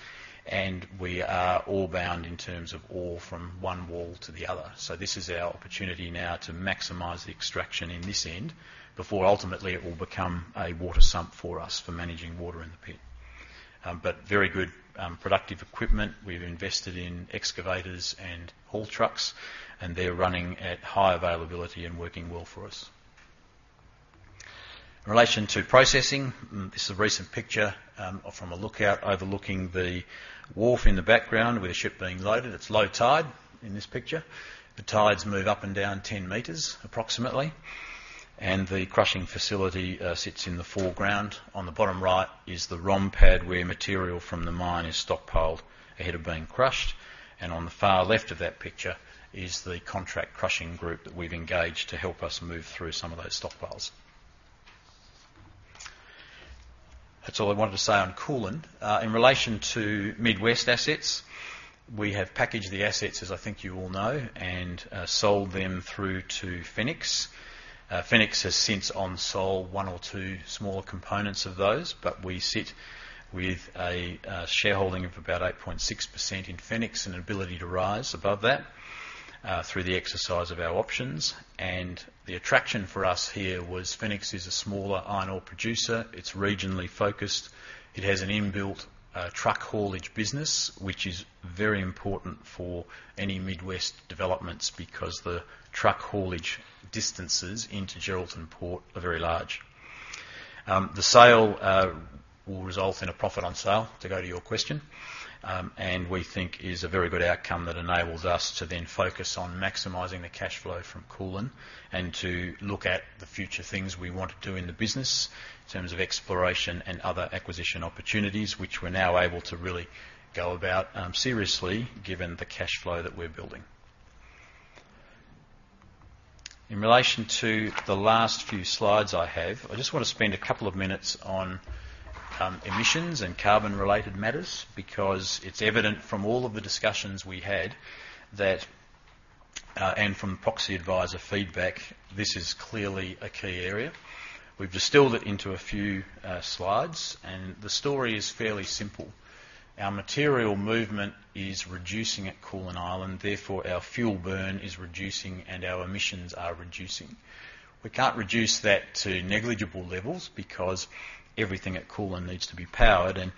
and we are ore-bound in terms of ore from one wall to the other. So this is our opportunity now to maximize the extraction in this end, before ultimately it will become a water sump for us for managing water in the pit. But very good, productive equipment. We've invested in excavators and haul trucks, and they're running at high availability and working well for us. In relation to processing, this is a recent picture, from a lookout overlooking the wharf in the background, with a ship being loaded. It's low tide in this picture. The tides move up and down 10 meters, approximately, and the crushing facility sits in the foreground. On the bottom right is the ROM pad, where material from the mine is stockpiled ahead of being crushed, and on the far left of that picture is the contract crushing group that we've engaged to help us move through some of those stockpiles. That's all I wanted to say on Koolan. In relation to Mid West assets, we have packaged the assets, as I think you all know, and sold them through to Fenix. Fenix has since on-sold one or two smaller components of those, but we sit with a shareholding of about 8.6% in Fenix, and an ability to rise above that through the exercise of our options. And the attraction for us here was Fenix is a smaller iron ore producer. It's regionally focused. It has an in-built, truck haulage business, which is very important for any Mid West developments, because the truck haulage distances into Geraldton Port are very large. The sale will result in a profit on sale, to go to your question, and we think is a very good outcome that enables us to then focus on maximizing the cash flow from Koolan, and to look at the future things we want to do in the business in terms of exploration and other acquisition opportunities, which we're now able to really go about, seriously, given the cash flow that we're building. In relation to the last few slides I have, I just want to spend a couple of minutes on emissions and carbon-related matters, because it's evident from all of the discussions we had that and from proxy advisor feedback, this is clearly a key area. We've distilled it into a few slides, and the story is fairly simple. Our material movement is reducing at Koolan Island, therefore, our fuel burn is reducing and our emissions are reducing. We can't reduce that to negligible levels, because everything at Koolan needs to be powered, and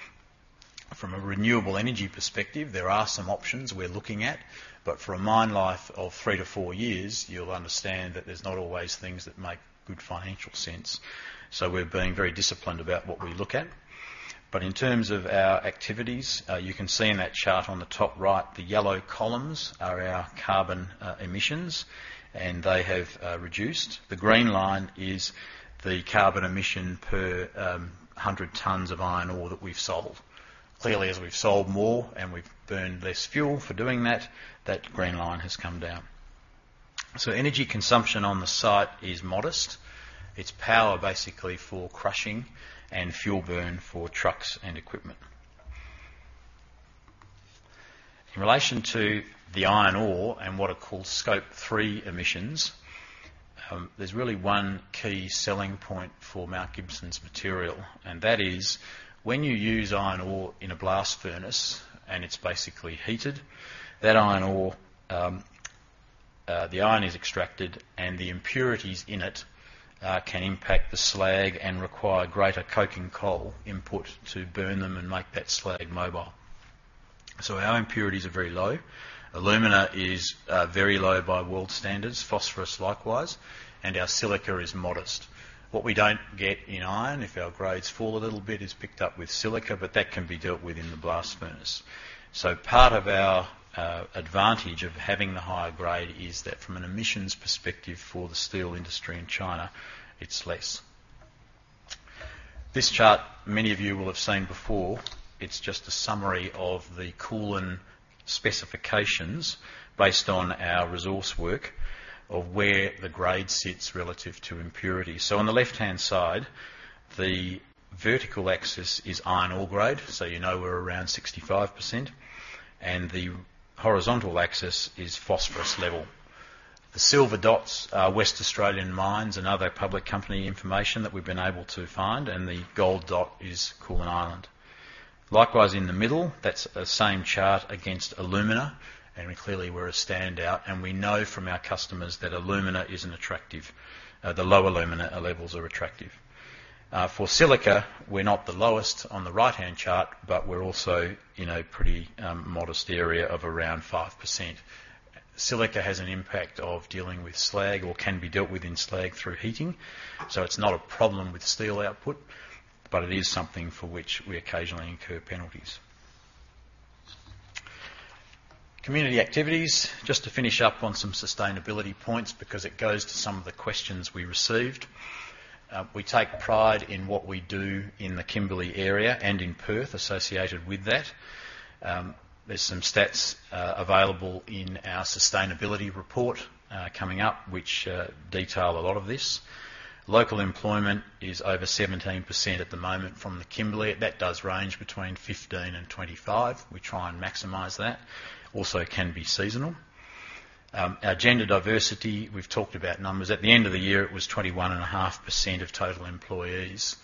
from a renewable energy perspective, there are some options we're looking at, but for a mine life of 3-4 years, you'll understand that there's not always things that make good financial sense. So we're being very disciplined about what we look at. But in terms of our activities, you can see in that chart on the top right, the yellow columns are our carbon emissions, and they have reduced. The green line is the carbon emission per 100 tons of iron ore that we've sold. Clearly, as we've sold more and we've burned less fuel for doing that, that green line has come down. So energy consumption on the site is modest. It's power, basically, for crushing and fuel burn for trucks and equipment. In relation to the iron ore and what are called Scope 3 emissions, there's really one key selling point for Mount Gibson's material, and that is, when you use iron ore in a blast furnace, and it's basically heated, that iron ore, the iron is extracted and the impurities in it can impact the slag and require greater coking coal input to burn them and make that slag mobile. So our impurities are very low. Alumina is very low by world standards, phosphorus, likewise, and our silica is modest. What we don't get in iron, if our grades fall a little bit, is picked up with silica, but that can be dealt with in the blast furnace. So part of our advantage of having the higher grade is that from an emissions perspective for the steel industry in China, it's less. This chart, many of you will have seen before. It's just a summary of the Koolan specifications based on our resource work of where the grade sits relative to impurity. So on the left-hand side, the vertical axis is iron ore grade, so you know we're around 65%, and the horizontal axis is phosphorus level. The silver dots are Western Australian mines and other public company information that we've been able to find, and the gold dot is Koolan Island. Likewise, in the middle, that's the same chart against alumina, and clearly, we're a standout, and we know from our customers that alumina is an attractive... the lower alumina levels are attractive. For silica, we're not the lowest on the right-hand chart, but we're also in a pretty, modest area of around 5%. Silica has an impact of dealing with slag or can be dealt with in slag through heating, so it's not a problem with steel output, but it is something for which we occasionally incur penalties. Community activities. Just to finish up on some sustainability points, because it goes to some of the questions we received. We take pride in what we do in the Kimberley area and in Perth, associated with that. There's some stats available in our sustainability report coming up, which detail a lot of this. Local employment is over 17% at the moment from the Kimberley. That does range between 15%-25%. We try and maximize that. Also, it can be seasonal. Our gender diversity, we've talked about numbers. At the end of the year, it was 21.5% of total employees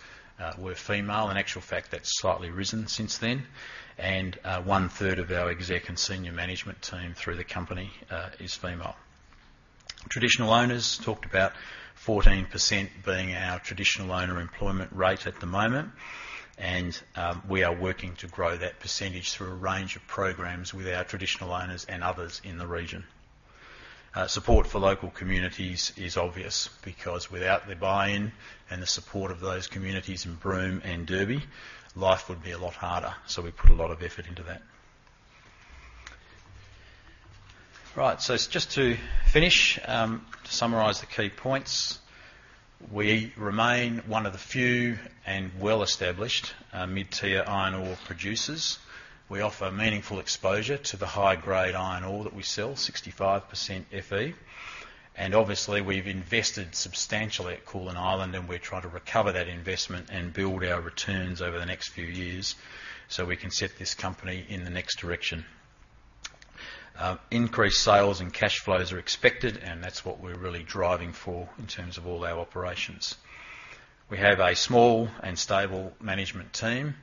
were female. In actual fact, that's slightly risen since then, and 1/3 of our exec and senior management team through the company is female. Traditional owners, talked about 14% being our traditional owner employment rate at the moment, and we are working to grow that percentage through a range of programs with our Traditional Owners and others in the region. Support for local communities is obvious, because without their buy-in and the support of those communities in Broome and Derby, life would be a lot harder, so we put a lot of effort into that. Right, so just to finish, to summarize the key points: we remain one of the few and well-established mid-tier iron ore producers. We offer meaningful exposure to the high-grade iron ore that we sell, 65% Fe. And obviously, we've invested substantially at Koolan Island, and we're trying to recover that investment and build our returns over the next few years, so we can set this company in the next direction. Increased sales and cash flows are expected, and that's what we're really driving for in terms of all our operations. We have a small and stable management team,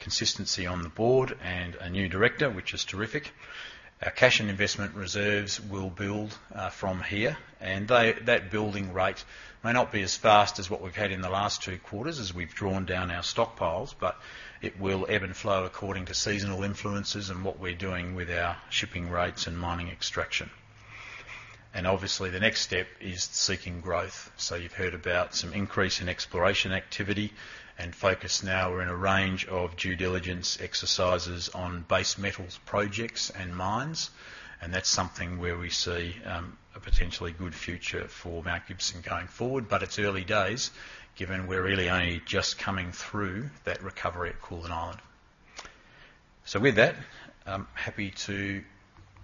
consistency on the board, and a new director, which is terrific. Our cash and investment reserves will build from here, and that building rate may not be as fast as what we've had in the last two quarters as we've drawn down our stockpiles, but it will ebb and flow according to seasonal influences and what we're doing with our shipping rates and mining extraction. And obviously, the next step is seeking growth. So you've heard about some increase in exploration activity and focus. Now we're in a range of due diligence exercises on base metals projects and mines, and that's something where we see a potentially good future for Mount Gibson going forward. But it's early days, given we're really only just coming through that recovery at Koolan Island. So with that, I'm happy to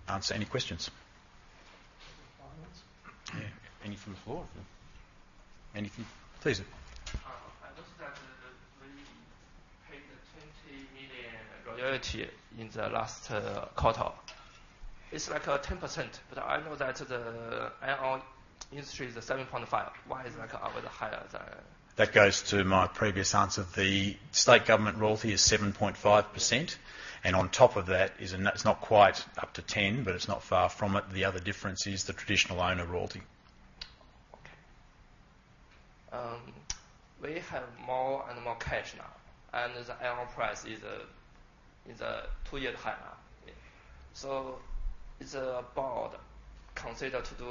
answer any questions. Comments? Yeah, any from the floor? Anything, please. I noticed that we paid the 20 million royalty in the last quarter. It's like 10%, but I know that the iron ore industry is at 7.5%. Why is like higher than? That goes to my previous answer. The state government royalty is 7.5%, and on top of that is, and that's not quite up to 10, but it's not far from it, the other difference is the traditional owner royalty. Okay. We have more and more cash now, and the iron price is a two-year high now. So is the board consider to do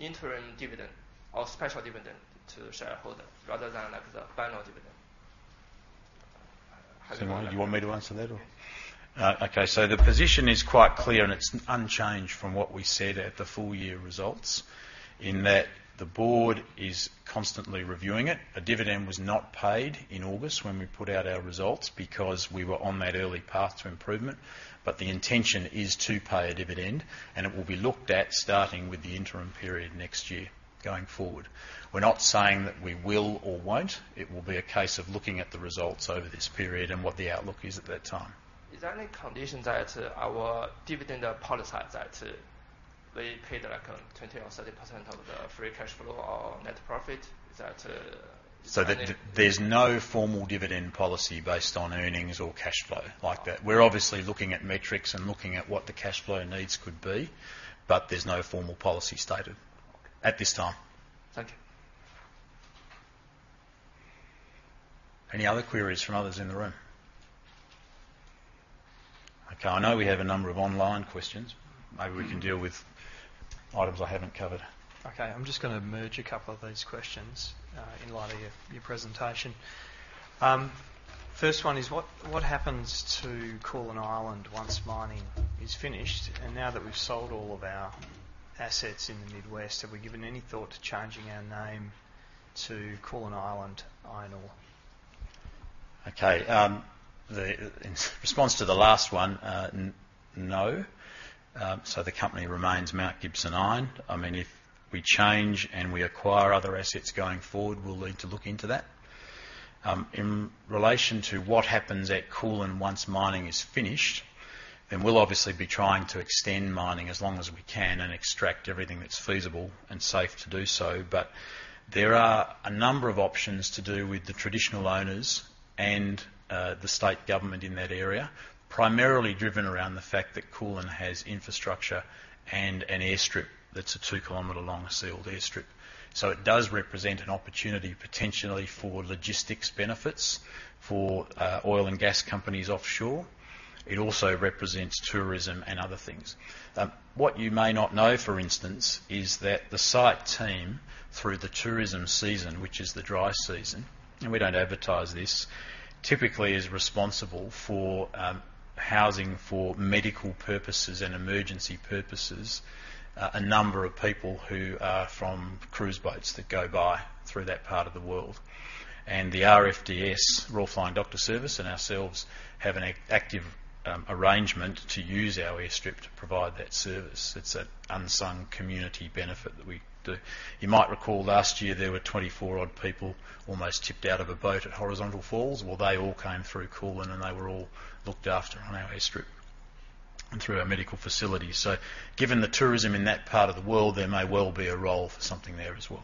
interim dividend or special dividend to shareholders rather than, like, the final dividend? So, you want me to answer that, or? Yeah. Okay, so the position is quite clear, and it's unchanged from what we said at the full-year results, in that the board is constantly reviewing it. A dividend was not paid in August when we put out our results, because we were on that early path to improvement, but the intention is to pay a dividend, and it will be looked at starting with the interim period next year, going forward. We're not saying that we will or won't. It will be a case of looking at the results over this period and what the outlook is at that time. Is there any condition that our dividend policy that they paid, like, 20% or 30% of the free cash flow or net profit? Is that There's no formal dividend policy based on earnings or cash flow like that. Wow. We're obviously looking at metrics and looking at what the cash flow needs could be, but there's no formal policy stated. Okay. at this time. Thank you. Any other queries from others in the room? Okay, I know we have a number of online questions. Maybe we can deal with items I haven't covered. Okay, I'm just going to merge a couple of these questions in light of your presentation. First one is: what happens to Koolan Island once mining is finished? And now that we've sold all of our assets in the Mid West, have we given any thought to changing our name to Koolan Island Iron Ore? Okay, in response to the last one, no. So the company remains Mount Gibson Iron. I mean, if we change and we acquire other assets going forward, we'll need to look into that. In relation to what happens at Koolan once mining is finished, we'll obviously be trying to extend mining as long as we can and extract everything that's feasible and safe to do so. But there are a number of options to do with the Traditional Owners and the state government in that area, primarily driven around the fact that Koolan has infrastructure and an airstrip that's a 2-km-long sealed airstrip. So it does represent an opportunity, potentially for logistics benefits for oil and gas companies offshore. It also represents tourism and other things. What you may not know, for instance, is that the site team, through the tourism season, which is the dry season, and we don't advertise this, typically is responsible for housing for medical purposes and emergency purposes, a number of people who are from cruise boats that go by through that part of the world. And the RFDS, Royal Flying Doctor Service, and ourselves have an active arrangement to use our airstrip to provide that service. It's an unsung community benefit that we do. You might recall last year there were 24 odd people, almost tipped out of a boat at Horizontal Falls. Well, they all came through Koolan, and they were all looked after on our airstrip and through our medical facilities. So given the tourism in that part of the world, there may well be a role for something there as well.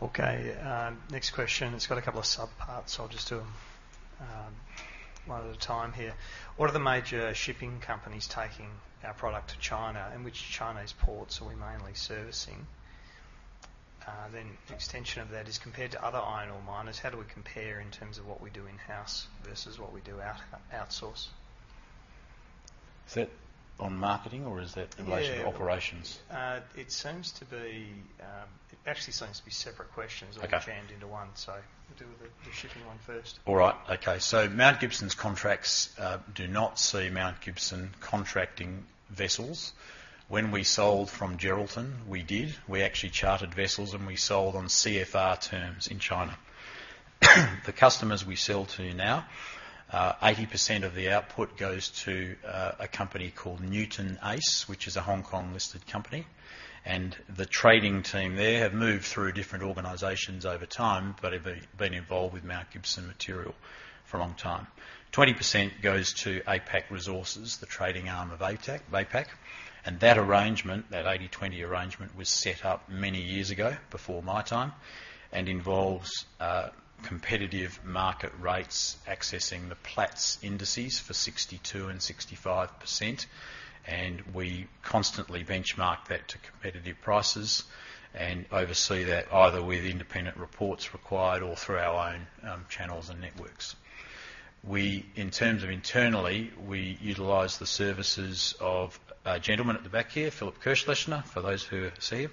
Okay, next question. It's got a couple of subparts, so I'll just do them one at a time here. What are the major shipping companies taking our product to China, and which Chinese ports are we mainly servicing? Then the extension of that is, compared to other iron ore miners, how do we compare in terms of what we do in-house versus what we do outsource? Is that on marketing, or is that in Yeah relation to operations? It actually seems to be separate questions Okay. All jammed into one. So we'll do the shipping one first. All right. Okay. So Mount Gibson's contracts do not see Mount Gibson contracting vessels. When we sold from Geraldton, we did. We actually chartered vessels, and we sold on CFR terms in China. The customers we sell to now, 80% of the output goes to a company called Ace Profit, which is a Hong Kong-listed company, and the trading team there have moved through different organizations over time but have been involved with Mount Gibson material for a long time. 20% goes to APAC Resources, the trading arm of APAC Resources, and that arrangement, that 80-20 arrangement, was set up many years ago, before my time, and involves competitive market rates accessing the Platts indices for 62% and 65%. We constantly benchmark that to competitive prices and oversee that, either with independent reports required or through our own channels and networks. We, in terms of internally, we utilize the services of a gentleman at the back here, Philip Kirchlechner, for those who see him,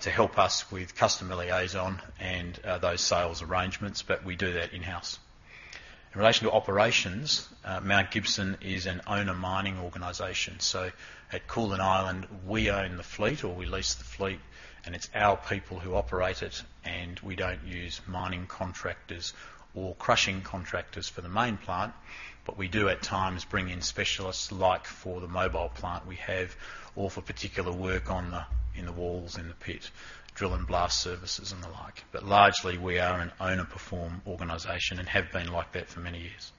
to help us with customer liaison and those sales arrangements, but we do that in-house. In relation to operations, Mount Gibson is an owner-mining organization, so at Koolan Island, we own the fleet, or we lease the fleet, and it's our people who operate it, and we don't use mining contractors or crushing contractors for the main plant. We do, at times, bring in specialists, like for the mobile plant we have, or for particular work in the walls in the pit, drill and blast services and the like. But largely, we are an own-and-perform organization and have been like that for many years.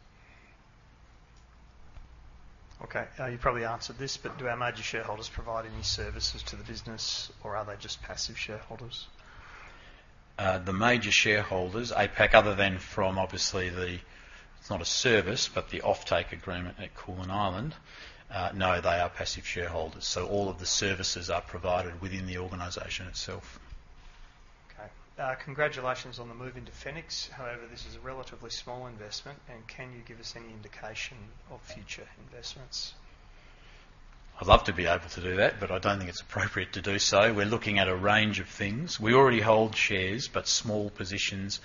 Okay, you probably answered this, but do our major shareholders provide any services to the business, or are they just passive shareholders? The major shareholders, APAC, other than from obviously the, it's not a service, but the offtake agreement at Koolan Island, no, they are passive shareholders. So all of the services are provided within the organization itself. Okay. Congratulations on the move into Fenix. However, this is a relatively small investment, and can you give us any indication of future investments? I'd love to be able to do that, but I don't think it's appropriate to do so. We're looking at a range of things. We already hold shares, but small positions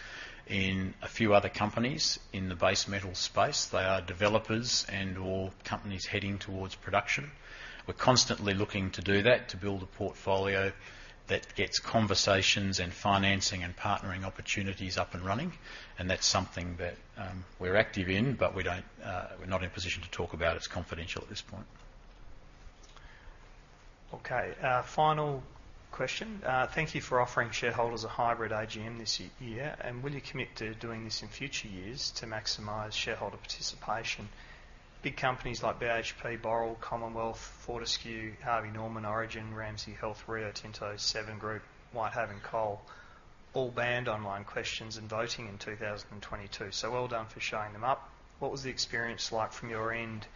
in a few other companies in the base metal space. They are developers and/or companies heading towards production. We're constantly looking to do that, to build a portfolio that gets conversations and financing and partnering opportunities up and running, and that's something that we're active in, but we don't, we're not in a position to talk about. It's confidential at this point. Okay, final question. Thank you for offering shareholders a hybrid AGM this year, and will you commit to doing this in future years to maximize shareholder participation? Big companies like BHP, Boral, Commonwealth, Fortescue, Harvey Norman, Origin, Ramsay Health, Rio Tinto, Seven Group, Whitehaven Coal, all banned online questions and voting in 2022. So well done for showing them up. What was the experience like from your end,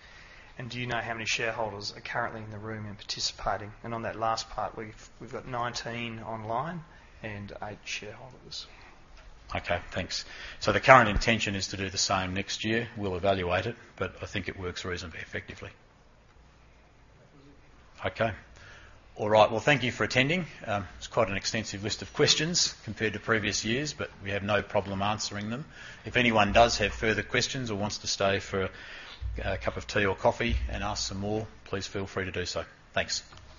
and do you know how many shareholders are currently in the room and participating? And on that last part, we've got 19 online and 8 shareholders. Okay, thanks. So the current intention is to do the same next year. We'll evaluate it, but I think it works reasonably effectively. Okay. All right. Well, thank you for attending. It's quite an extensive list of questions compared to previous years, but we have no problem answering them. If anyone does have further questions or wants to stay for a cup of tea or coffee and ask some more, please feel free to do so. Thanks.